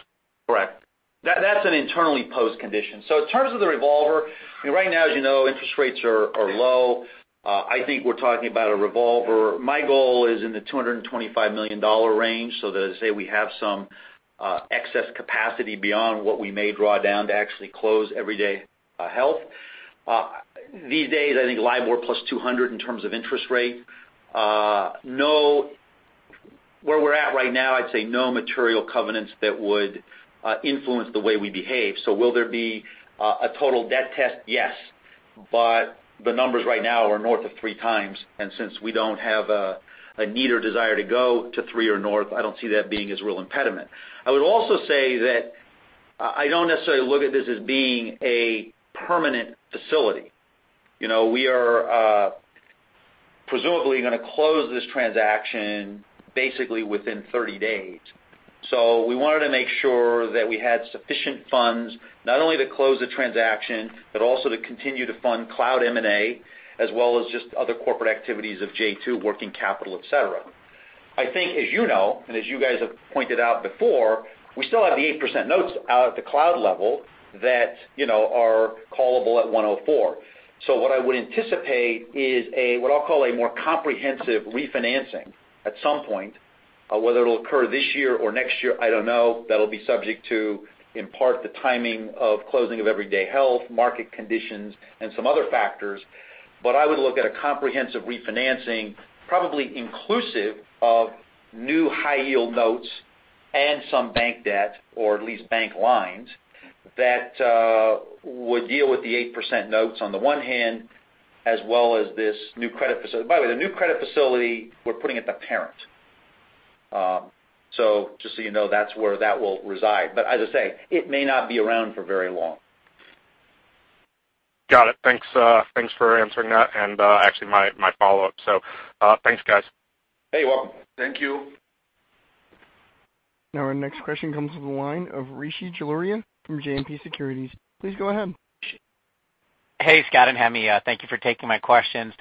Correct. That's an internally posed condition. In terms of the revolver, right now as you know, interest rates are low. I think we're talking about a revolver. My goal is in the $225 million range, so that say we have some excess capacity beyond what we may draw down to actually close Everyday Health. These days, I think LIBOR plus 200 in terms of interest rate. Where we're at right now, I'd say no material covenants that would influence the way we behave. Will there be a total debt test? Yes. The numbers right now are north of three times, and since we don't have a need or desire to go to three or north, I don't see that being as real impediment. I would also say that I don't necessarily look at this as being a permanent facility. We are presumably going to close this transaction basically within 30 days. We wanted to make sure that we had sufficient funds, not only to close the transaction, but also to continue to fund cloud M&A, as well as just other corporate activities of j2, working capital, et cetera. I think, as you know, and as you guys have pointed out before, we still have the 8% notes out at the cloud level that are callable at 104. What I would anticipate is a, what I'll call a more comprehensive refinancing at some point. Whether it'll occur this year or next year, I don't know. That'll be subject to, in part, the timing of closing of Everyday Health, market conditions, and some other factors. I would look at a comprehensive refinancing, probably inclusive of new high-yield notes and some bank debt, or at least bank lines, that would deal with the 8% notes on the one hand, as well as this new credit facility. By the way, the new credit facility, we're putting at the parent. Just so you know, that's where that will reside. As I say, it may not be around for very long. Got it. Thanks for answering that and actually my follow-up. Thanks, guys. You're welcome. Thank you. Our next question comes from the line of Rishi Jaluria from JMP Securities. Please go ahead. Hey, Scott and Hemi. Thank you for taking my questions.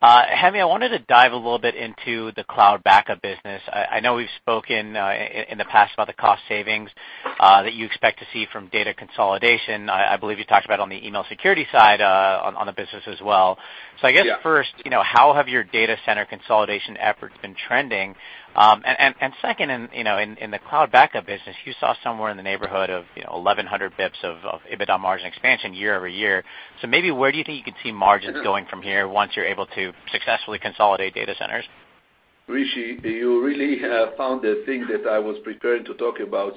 Hemi, I wanted to dive a little bit into the cloud backup business. I know we've spoken in the past about the cost savings that you expect to see from data consolidation. I believe you talked about on the email security side on the business as well. Yeah. I guess first, how have your data center consolidation efforts been trending? Second, in the cloud backup business, you saw somewhere in the neighborhood of 1,100 basis points of EBITDA margin expansion year-over-year. Maybe where do you think you could see margins going from here once you're able to successfully consolidate data centers? Rishi, you really have found the thing that I was preparing to talk about.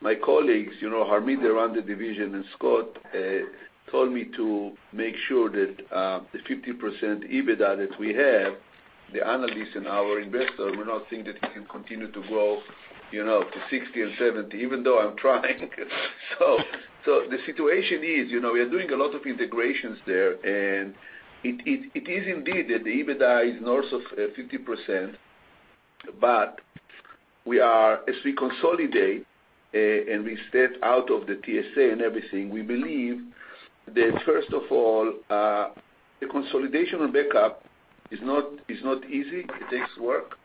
My colleagues, Harmeet, they run the division, and Scott told me to make sure that the 50% EBITDA that we have, the analysts and our investors will not think that we can continue to grow to 60% and 70%, even though I'm trying. The situation is, we are doing a lot of integrations there, and it is indeed that the EBITDA is north of 50%, but as we consolidate and we step out of the TSA and everything, we believe that first of all, the consolidation on backup is not easy. It takes work.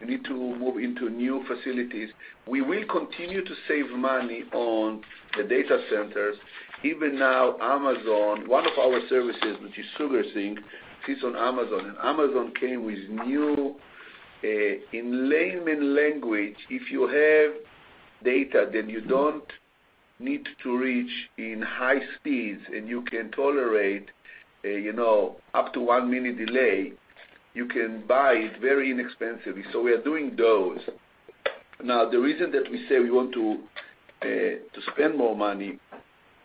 We need to move into new facilities. We will continue to save money on the data centers. Even now, Amazon, one of our services, which is SugarSync, sits on Amazon. Amazon came with new, in layman language, if you have data that you don't need to reach in high speeds, and you can tolerate up to one-minute delay, you can buy it very inexpensively. We are doing those. The reason that we say we want to spend more money,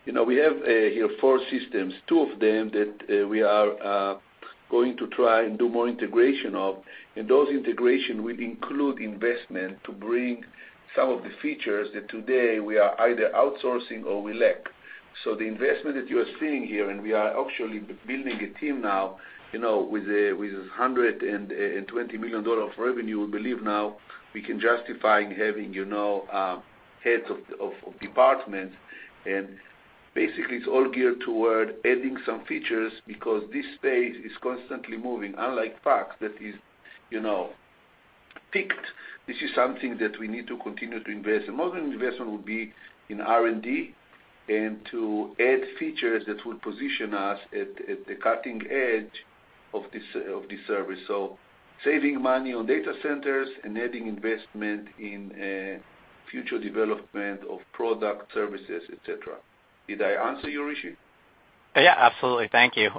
we have here four systems, two of them that we are going to try and do more integration of. Those integration will include investment to bring some of the features that today we are either outsourcing or we lack. The investment that you are seeing here, and we are actually building a team now with $120 million of revenue, we believe now we can justify having heads of departments. Basically, it's all geared toward adding some features because this space is constantly moving, unlike fax that is static. This is something that we need to continue to invest. Most of the investment will be in R&D and to add features that would position us at the cutting edge of this service. Saving money on data centers and adding investment in future development of product services, et cetera. Did I answer you, Rishi? Yeah, absolutely. Thank you.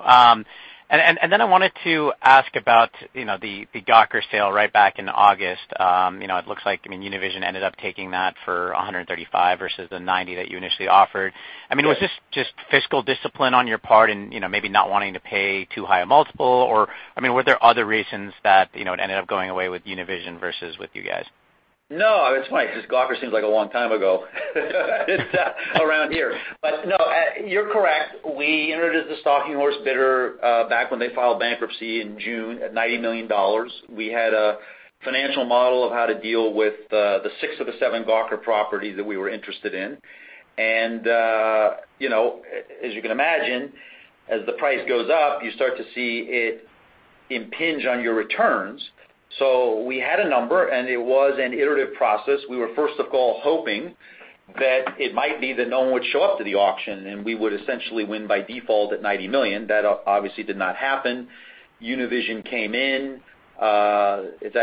I wanted to ask about the Gawker sale right back in August. It looks like, Univision ended up taking that for $135 million versus the $90 million that you initially offered. Yes. Was this just fiscal discipline on your part and maybe not wanting to pay too high a multiple, or were there other reasons that it ended up going away with Univision versus with you guys? No, it's funny because Gawker seems like a long time ago around here. No, you're correct. We entered as the stalking horse bidder back when they filed bankruptcy in June at $90 million. We had a financial model of how to deal with the six of the seven Gawker properties that we were interested in. As you can imagine, as the price goes up, you start to see it impinge on your returns. We had a number, and it was an iterative process. We were, first of all, hoping that it might be that no one would show up to the auction, and we would essentially win by default at $90 million. That obviously did not happen. Univision came in. If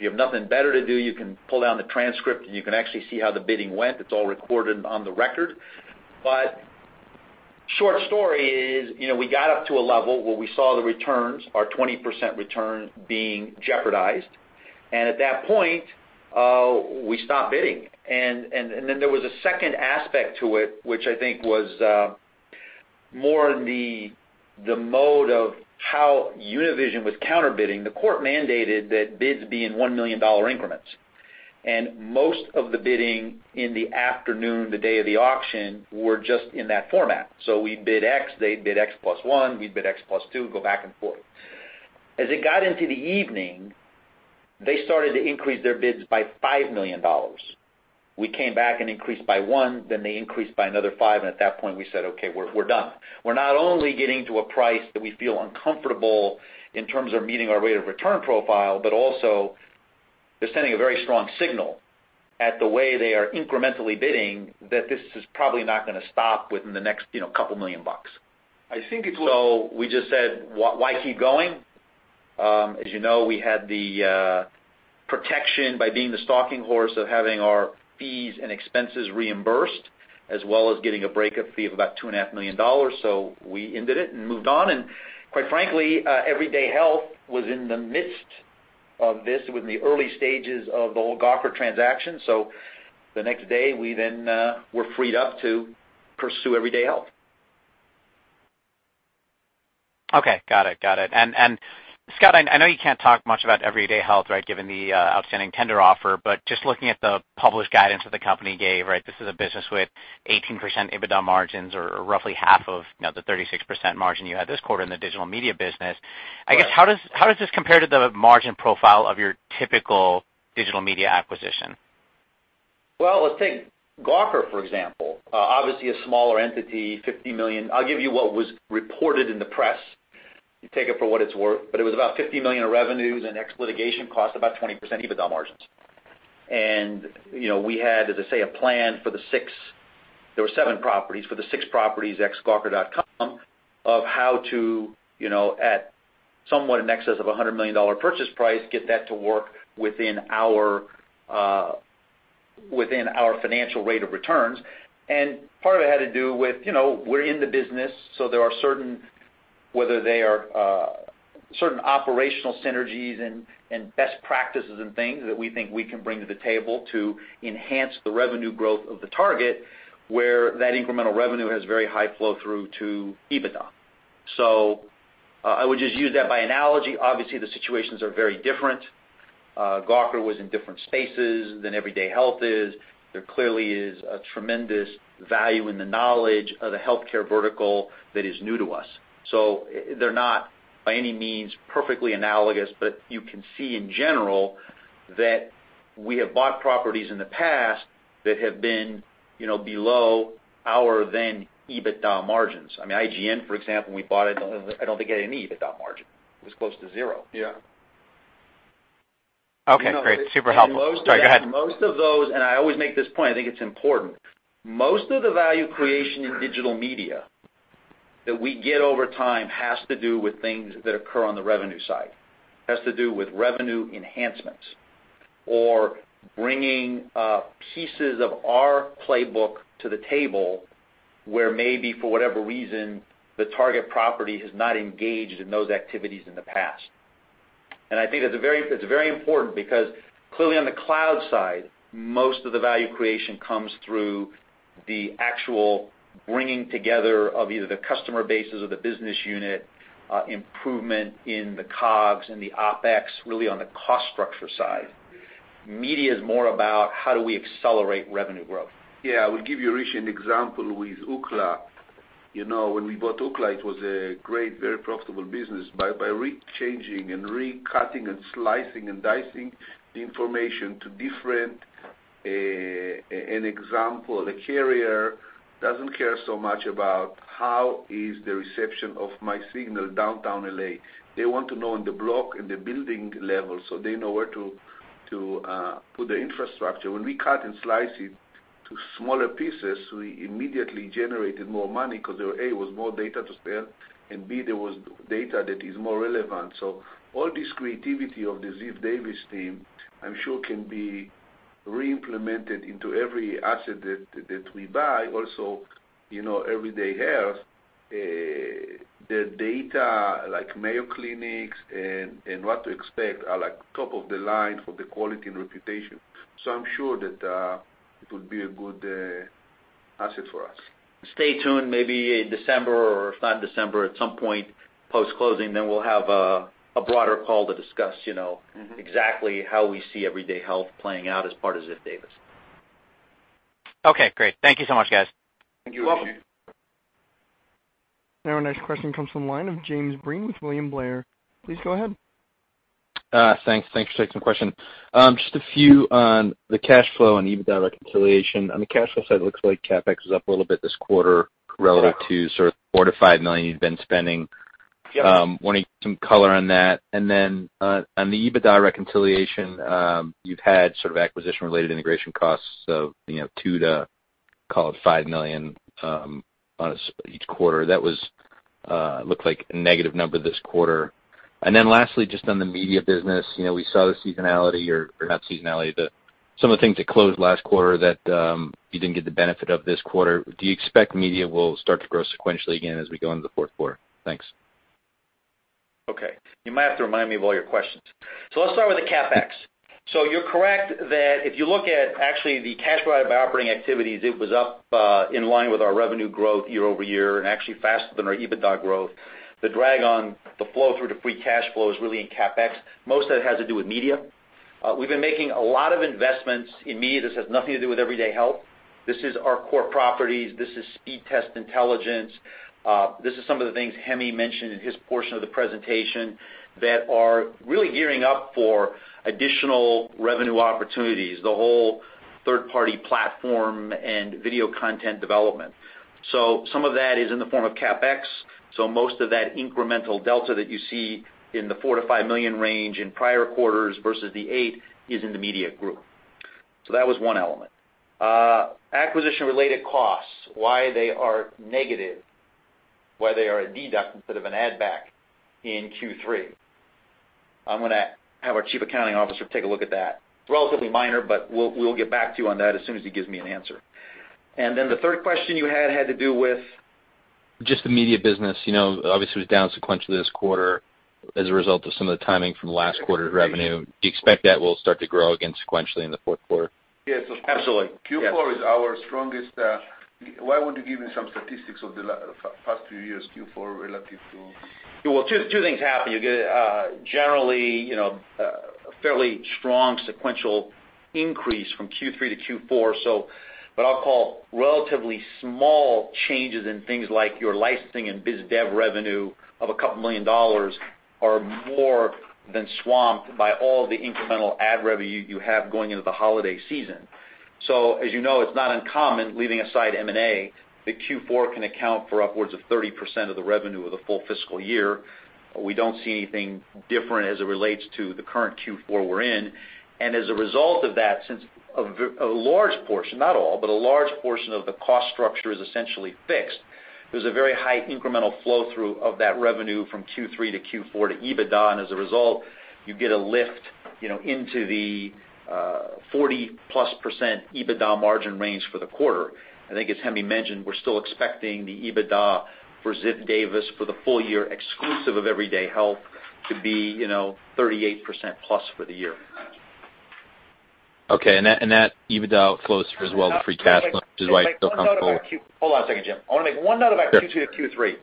you have nothing better to do, you can pull down the transcript, and you can actually see how the bidding went. It's all recorded on the record. Short story is, we got up to a level where we saw the returns, our 20% return being jeopardized. At that point, we stopped bidding. There was a second aspect to it, which I think was more in the mode of how Univision was counterbidding. The court mandated that bids be in $1 million increments. Most of the bidding in the afternoon, the day of the auction, were just in that format. We bid X, they'd bid X plus one, we'd bid X plus two, go back and forth. As it got into the evening, they started to increase their bids by $5 million. We came back and increased by one. They increased by another five, and at that point, we said, "Okay, we're done." We're not only getting to a price that we feel uncomfortable in terms of meeting our rate of return profile, but also they're sending a very strong signal at the way they are incrementally bidding that this is probably not going to stop within the next couple million bucks. I think it was- We just said, "Why keep going?" As you know, we had the protection by being the stalking horse of having our fees and expenses reimbursed, as well as getting a breakup fee of about $2.5 million. We ended it and moved on, and quite frankly, Everyday Health was in the midst of this. It was in the early stages of the whole Gawker transaction. The next day, we then were freed up to pursue Everyday Health. Okay. Got it. Scott, I know you can't talk much about Everyday Health, right, given the outstanding tender offer, but just looking at the published guidance that the company gave, this is a business with 18% EBITDA margins or roughly half of the 36% margin you had this quarter in the digital media business. Right. How does this compare to the margin profile of your typical digital media acquisition? Well, let's take Gawker, for example. Obviously, a smaller entity, $50 million. I'll give you what was reported in the press. You take it for what it's worth, but it was about $50 million of revenues and ex-litigation cost about 20% EBITDA margins. We had, as I say, a plan for the six, there were seven properties, for the six properties, ex gawker.com, of how to, at somewhat in excess of $100 million purchase price, get that to work within our financial rate of returns. Part of it had to do with, we're in the business, so there are certain Whether they are certain operational synergies and best practices and things that we think we can bring to the table to enhance the revenue growth of the target, where that incremental revenue has very high flow through to EBITDA. I would just use that by analogy. Obviously, the situations are very different. Gawker was in different spaces than Everyday Health is. There clearly is a tremendous value in the knowledge of the healthcare vertical that is new to us. They're not, by any means, perfectly analogous, but you can see in general that we have bought properties in the past that have been below our then EBITDA margins. IGN, for example, we bought it, I don't think it had any EBITDA margin. It was close to zero. Yeah. Okay, great. Super helpful. Sorry, go ahead. Most of those, I always make this point, I think it's important. Most of the value creation in digital media that we get over time has to do with things that occur on the revenue side, has to do with revenue enhancements or bringing pieces of our playbook to the table, where maybe for whatever reason, the target property has not engaged in those activities in the past. I think it's very important because clearly on the cloud side, most of the value creation comes through the actual bringing together of either the customer bases or the business unit, improvement in the COGS and the OpEx, really on the cost structure side. Media is more about how do we accelerate revenue growth. Yeah. I would give you, Rishi, an example with Ookla. When we bought Ookla, it was a great, very profitable business. By rechanging and recutting and slicing and dicing information to different, an example, the carrier doesn't care so much about how is the reception of my signal Downtown L.A. They want to know on the block, in the building level so they know where to put the infrastructure. When we cut and slice it to smaller pieces, we immediately generated more money because A, was more data to sell, and B, there was data that is more relevant. All this creativity of the Ziff Davis team, I'm sure can be re-implemented into every asset that we buy. Also, Everyday Health, the data like Mayo Clinic and What to Expect are top of the line for the quality and reputation. I'm sure that it would be a good asset for us. Stay tuned, maybe in December or if not December, at some point post-closing, we'll have a broader call to discuss exactly how we see Everyday Health playing out as part of Ziff Davis. Okay, great. Thank you so much, guys. Thank you, Rishi. You're welcome. Our next question comes from the line of James Breen with William Blair. Please go ahead. Thanks for taking the question. Just a few on the cash flow and EBITDA reconciliation. On the cash flow side, it looks like CapEx is up a little bit this quarter relative to sort of the $4 million-$5 million you've been spending. Yes. I want to get some color on that. On the EBITDA reconciliation, you've had sort of acquisition-related integration costs of $2 million-$5 million on each quarter. That looked like a negative number this quarter. Lastly, just on the media business. We saw the seasonality, or not seasonality, but some of the things that closed last quarter that you didn't get the benefit of this quarter. Do you expect media will start to grow sequentially again as we go into the fourth quarter? Thanks. Okay. You might have to remind me of all your questions. Let's start with the CapEx. You're correct that if you look at actually the cash provided by operating activities, it was up in line with our revenue growth year-over-year and actually faster than our EBITDA growth. The drag on the flow through to free cash flow is really in CapEx. Most of it has to do with media. We've been making a lot of investments in media. This has nothing to do with Everyday Health. This is our core properties. This is Speedtest Intelligence. This is some of the things Hemi mentioned in his portion of the presentation that are really gearing up for additional revenue opportunities, the whole third-party platform and video content development. Some of that is in the form of CapEx. Most of that incremental delta that you see in the $4 million-$5 million range in prior quarters versus the $8 million is in the media group. That was one element. Acquisition-related costs, why they are negative, why they are a deduct instead of an add back in Q3. I'm going to have our chief accounting officer take a look at that. It's relatively minor, but we'll get back to you on that as soon as he gives me an answer. The third question you had had to do with? Just the media business. Obviously, it was down sequentially this quarter as a result of some of the timing from last quarter's revenue. Do you expect that will start to grow again sequentially in the fourth quarter? Yes, of course. Absolutely. Yes. Why don't you give Harmeet some statistics of the past few years, Q4 relative to- Well, two things happen. You get a generally fairly strong sequential increase from Q3 to Q4. What I'll call relatively small changes in things like your licensing and biz dev revenue of a couple million dollars are more than swamped by all the incremental ad revenue you have going into the holiday season. As you know, it's not uncommon, leaving aside M&A, that Q4 can account for upwards of 30% of the revenue of the full fiscal year. We don't see anything different as it relates to the current Q4 we're in. As a result of that, since a large portion, not all, but a large portion of the cost structure is essentially fixed, there's a very high incremental flow through of that revenue from Q3 to Q4 to EBITDA, and as a result, you get a lift into the 40-plus% EBITDA margin range for the quarter. I think as Hemi mentioned, we're still expecting the EBITDA for Ziff Davis for the full year exclusive of Everyday Health to be 38%-plus for the year. Okay. That EBITDA outflows as well as the free cash flow, which is why I feel comfortable. Hold on a second, Jim. I want to make one note about Q2 to Q3.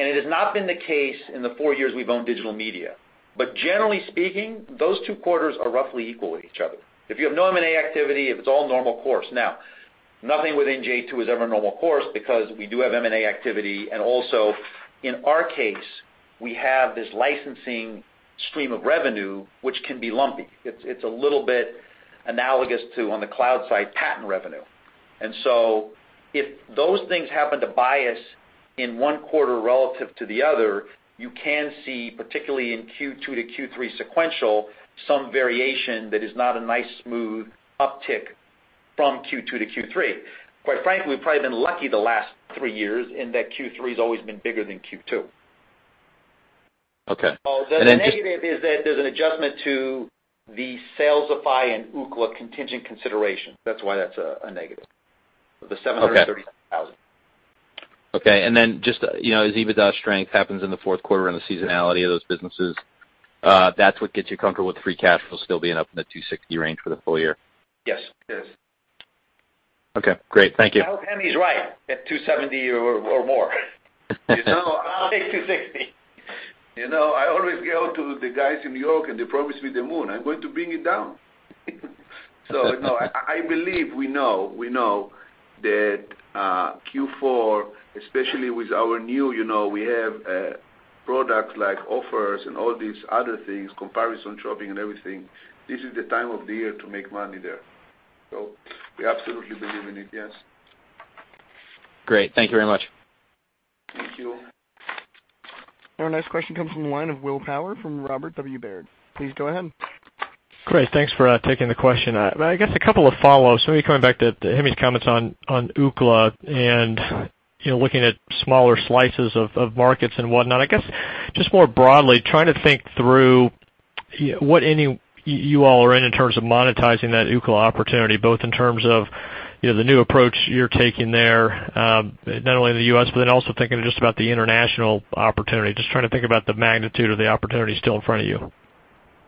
It has not been the case in the four years we've owned Digital Media, but generally speaking, those two quarters are roughly equal with each other. If you have no M&A activity, if it's all normal course. Now, nothing within j2 is ever normal course because we do have M&A activity, and also in our case, we have this licensing stream of revenue which can be lumpy. It's a little bit analogous to, on the cloud side, patent revenue. If those things happen to bias in one quarter relative to the other, you can see, particularly in Q2 to Q3 sequential, some variation that is not a nice smooth uptick from Q2 to Q3. Quite frankly, we've probably been lucky the last three years in that Q3 has always been bigger than Q2. Okay. Then just. The negative is that there's an adjustment to the Salesify and Ookla contingent consideration. That's why that's a negative. The $737,000. Okay. Just as EBITDA strength happens in the fourth quarter and the seasonality of those businesses, that's what gets you comfortable with free cash flow still being up in the $260 range for the full year? Yes. Okay, great. Thank you. I hope Hemi's right at $270 or more. I'll take $260. I always go to the guys in New York, they promise me the moon. I'm going to bring it down. No, I believe we know that Q4, especially with our new products like Offers and all these other things, comparison shopping and everything, this is the time of the year to make money there. We absolutely believe in it, yes. Great. Thank you very much. Thank you. Our next question comes from the line of Will Power from Robert W. Baird. Please go ahead. Great. Thanks for taking the question. I guess a couple of follow-ups, maybe coming back to Hemi's comments on Ookla and looking at smaller slices of markets and whatnot. I guess, just more broadly, trying to think through what inning you all are in terms of monetizing that Ookla opportunity, both in terms of the new approach you're taking there, not only in the U.S., but then also thinking just about the international opportunity. Just trying to think about the magnitude of the opportunity still in front of you.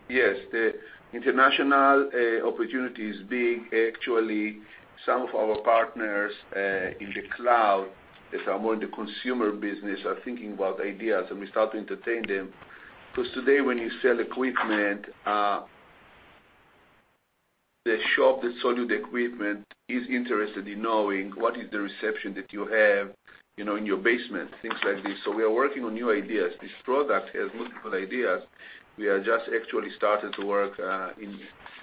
Yes. The international opportunity is big. Actually, some of our partners, in the cloud that are more in the consumer business, are thinking about ideas, and we start to entertain them. Today when you sell equipment, the shop that sold you the equipment is interested in knowing what is the reception that you have in your basement, things like this. We are working on new ideas. This product has multiple ideas. We are just actually started to work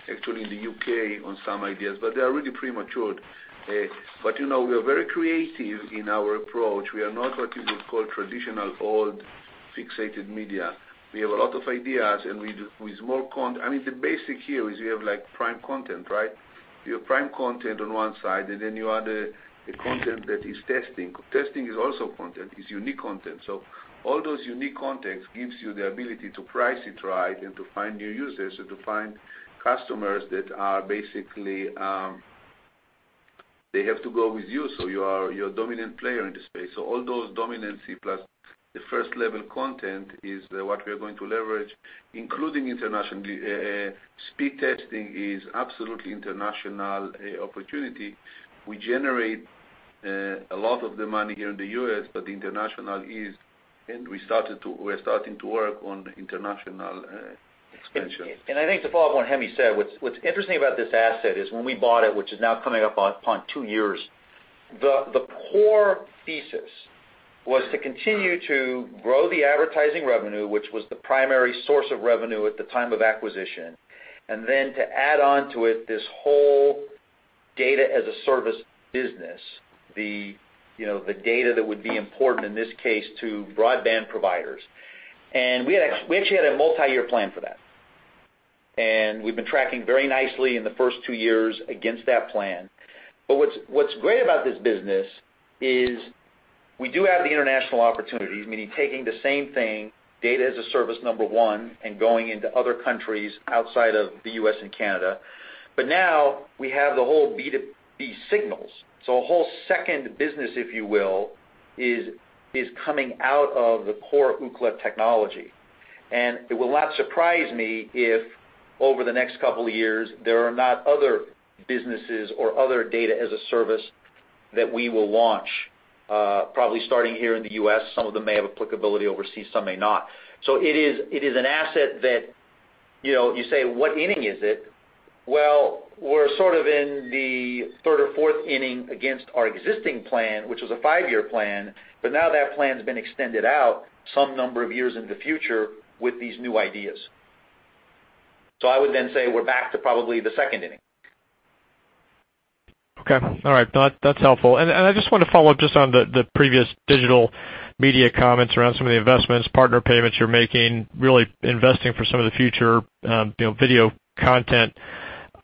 actually in the U.K. on some ideas, but they are really prematured. We are very creative in our approach. We are not what you would call traditional, old, fixated media. We have a lot of ideas, and with more The basic here is we have prime content. You have prime content on one side, you have the content that is testing. Testing is also content. It's unique content. All those unique contents gives you the ability to price it right and to find new users or to find customers that are basically, they have to go with you, so you're a dominant player in the space. All those dominance plus the first-level content is what we are going to leverage, including internationally. Speed testing is absolutely international opportunity. We generate a lot of the money here in the U.S., but the international is, and we're starting to work on international expansion. I think to follow up on what Hemi said, what's interesting about this asset is when we bought it, which is now coming up upon two years, the core thesis was to continue to grow the advertising revenue, which was the primary source of revenue at the time of acquisition, and then to add onto it this whole data-as-a-service business, the data that would be important in this case to broadband providers. We actually had a multi-year plan for that, and we've been tracking very nicely in the first two years against that plan. What's great about this business is we do have the international opportunities, meaning taking the same thing, data-as-a-service, number 1, and going into other countries outside of the U.S. and Canada. Now we have the whole B2B Signals. A whole second business, if you will, is coming out of the core Ookla technology. It will not surprise me if over the next couple of years, there are not other businesses or other data as a service that we will launch, probably starting here in the U.S. Some of them may have applicability overseas, some may not. It is an asset that you say, what inning is it? Well, we're sort of in the third or fourth inning against our existing plan, which was a five-year plan, but now that plan's been extended out some number of years in the future with these new ideas. I would then say we're back to probably the second inning. Okay. All right. That's helpful. I just want to follow up just on the previous Digital Media comments around some of the investments, partner payments you're making, really investing for some of the future video content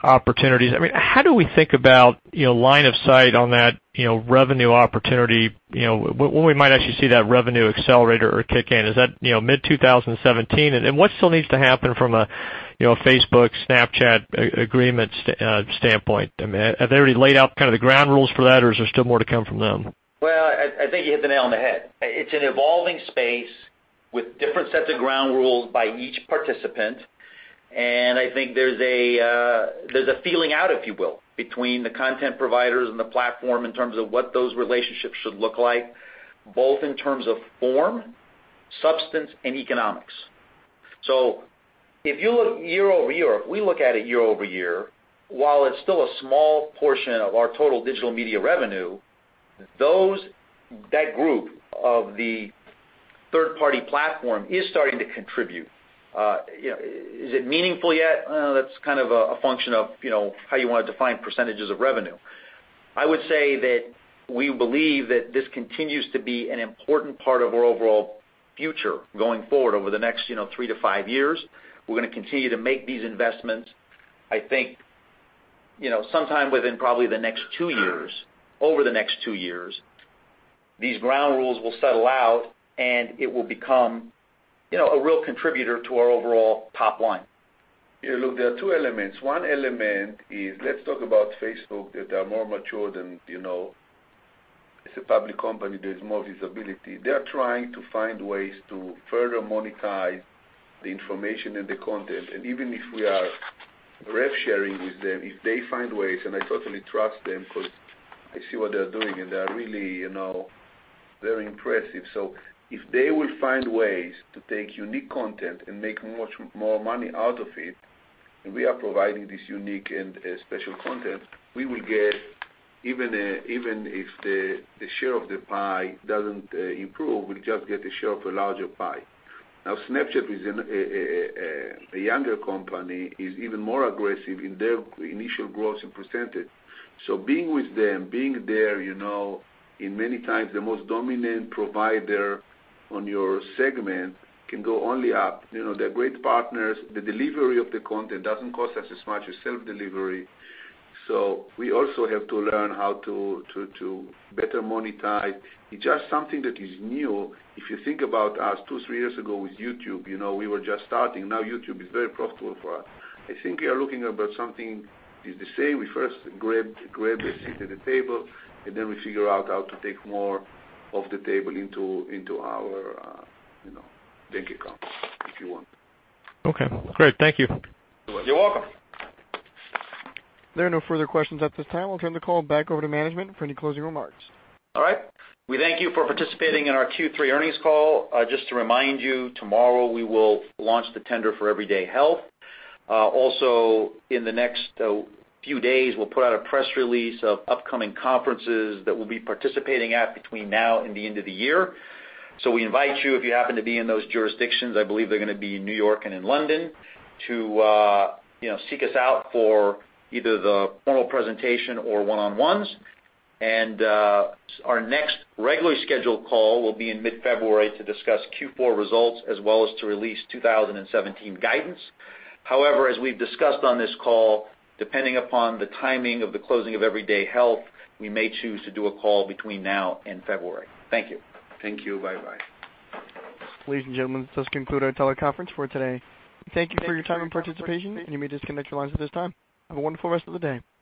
opportunities. How do we think about line of sight on that revenue opportunity, when we might actually see that revenue accelerator or kick in? Is that mid-2017? What still needs to happen from a Facebook, Snapchat agreement standpoint? Have they already laid out the ground rules for that, or is there still more to come from them? I think you hit the nail on the head. It's an evolving space with different sets of ground rules by each participant. I think there's a feeling out, if you will, between the content providers and the platform in terms of what those relationships should look like, both in terms of form, substance, and economics. If you look year-over-year, we look at it year-over-year, while it's still a small portion of our total Digital Media revenue, that group of the third-party platform is starting to contribute. Is it meaningful yet? That's kind of a function of how you want to define percentages of revenue. I would say that we believe that this continues to be an important part of our overall future going forward over the next three to five years. We're going to continue to make these investments. I think, sometime within probably the next two years, over the next two years, these ground rules will settle out, and it will become a real contributor to our overall top line. Yeah, look, there are two elements. One element is, let's talk about Facebook that are more mature than, it's a public company, there's more visibility. They're trying to find ways to further monetize the information and the content. Even if we are rev sharing with them, if they find ways, I totally trust them because I see what they're doing, and they are really very impressive. If they will find ways to take unique content and make much more money out of it, we are providing this unique and special content, we will get, even if the share of the pie doesn't improve, we'll just get a share of a larger pie. Snapchat is a younger company, is even more aggressive in their initial growth and percentage. Being with them, being there, in many times the most dominant provider on your segment can go only up. They're great partners. The delivery of the content doesn't cost us as much as self-delivery. We also have to learn how to better monetize. It's just something that is new. If you think about us two, three years ago with YouTube, we were just starting. YouTube is very profitable for us. I think we are looking about something is the same. We first grab a seat at the table, and then we figure out how to take more of the table into our bank account, if you want. Okay, great. Thank you. You're welcome. There are no further questions at this time. We'll turn the call back over to management for any closing remarks. All right. We thank you for participating in our Q3 earnings call. Just to remind you, tomorrow we will launch the tender for Everyday Health. In the next few days, we'll put out a press release of upcoming conferences that we'll be participating at between now and the end of the year. We invite you, if you happen to be in those jurisdictions, I believe they're going to be in New York and in London, to seek us out for either the formal presentation or one-on-ones. Our next regularly scheduled call will be in mid-February to discuss Q4 results as well as to release 2017 guidance. As we've discussed on this call, depending upon the timing of the closing of Everyday Health, we may choose to do a call between now and February. Thank you. Thank you. Bye-bye. Ladies and gentlemen, this does conclude our teleconference for today. Thank you for your time and participation. You may disconnect your lines at this time. Have a wonderful rest of the day.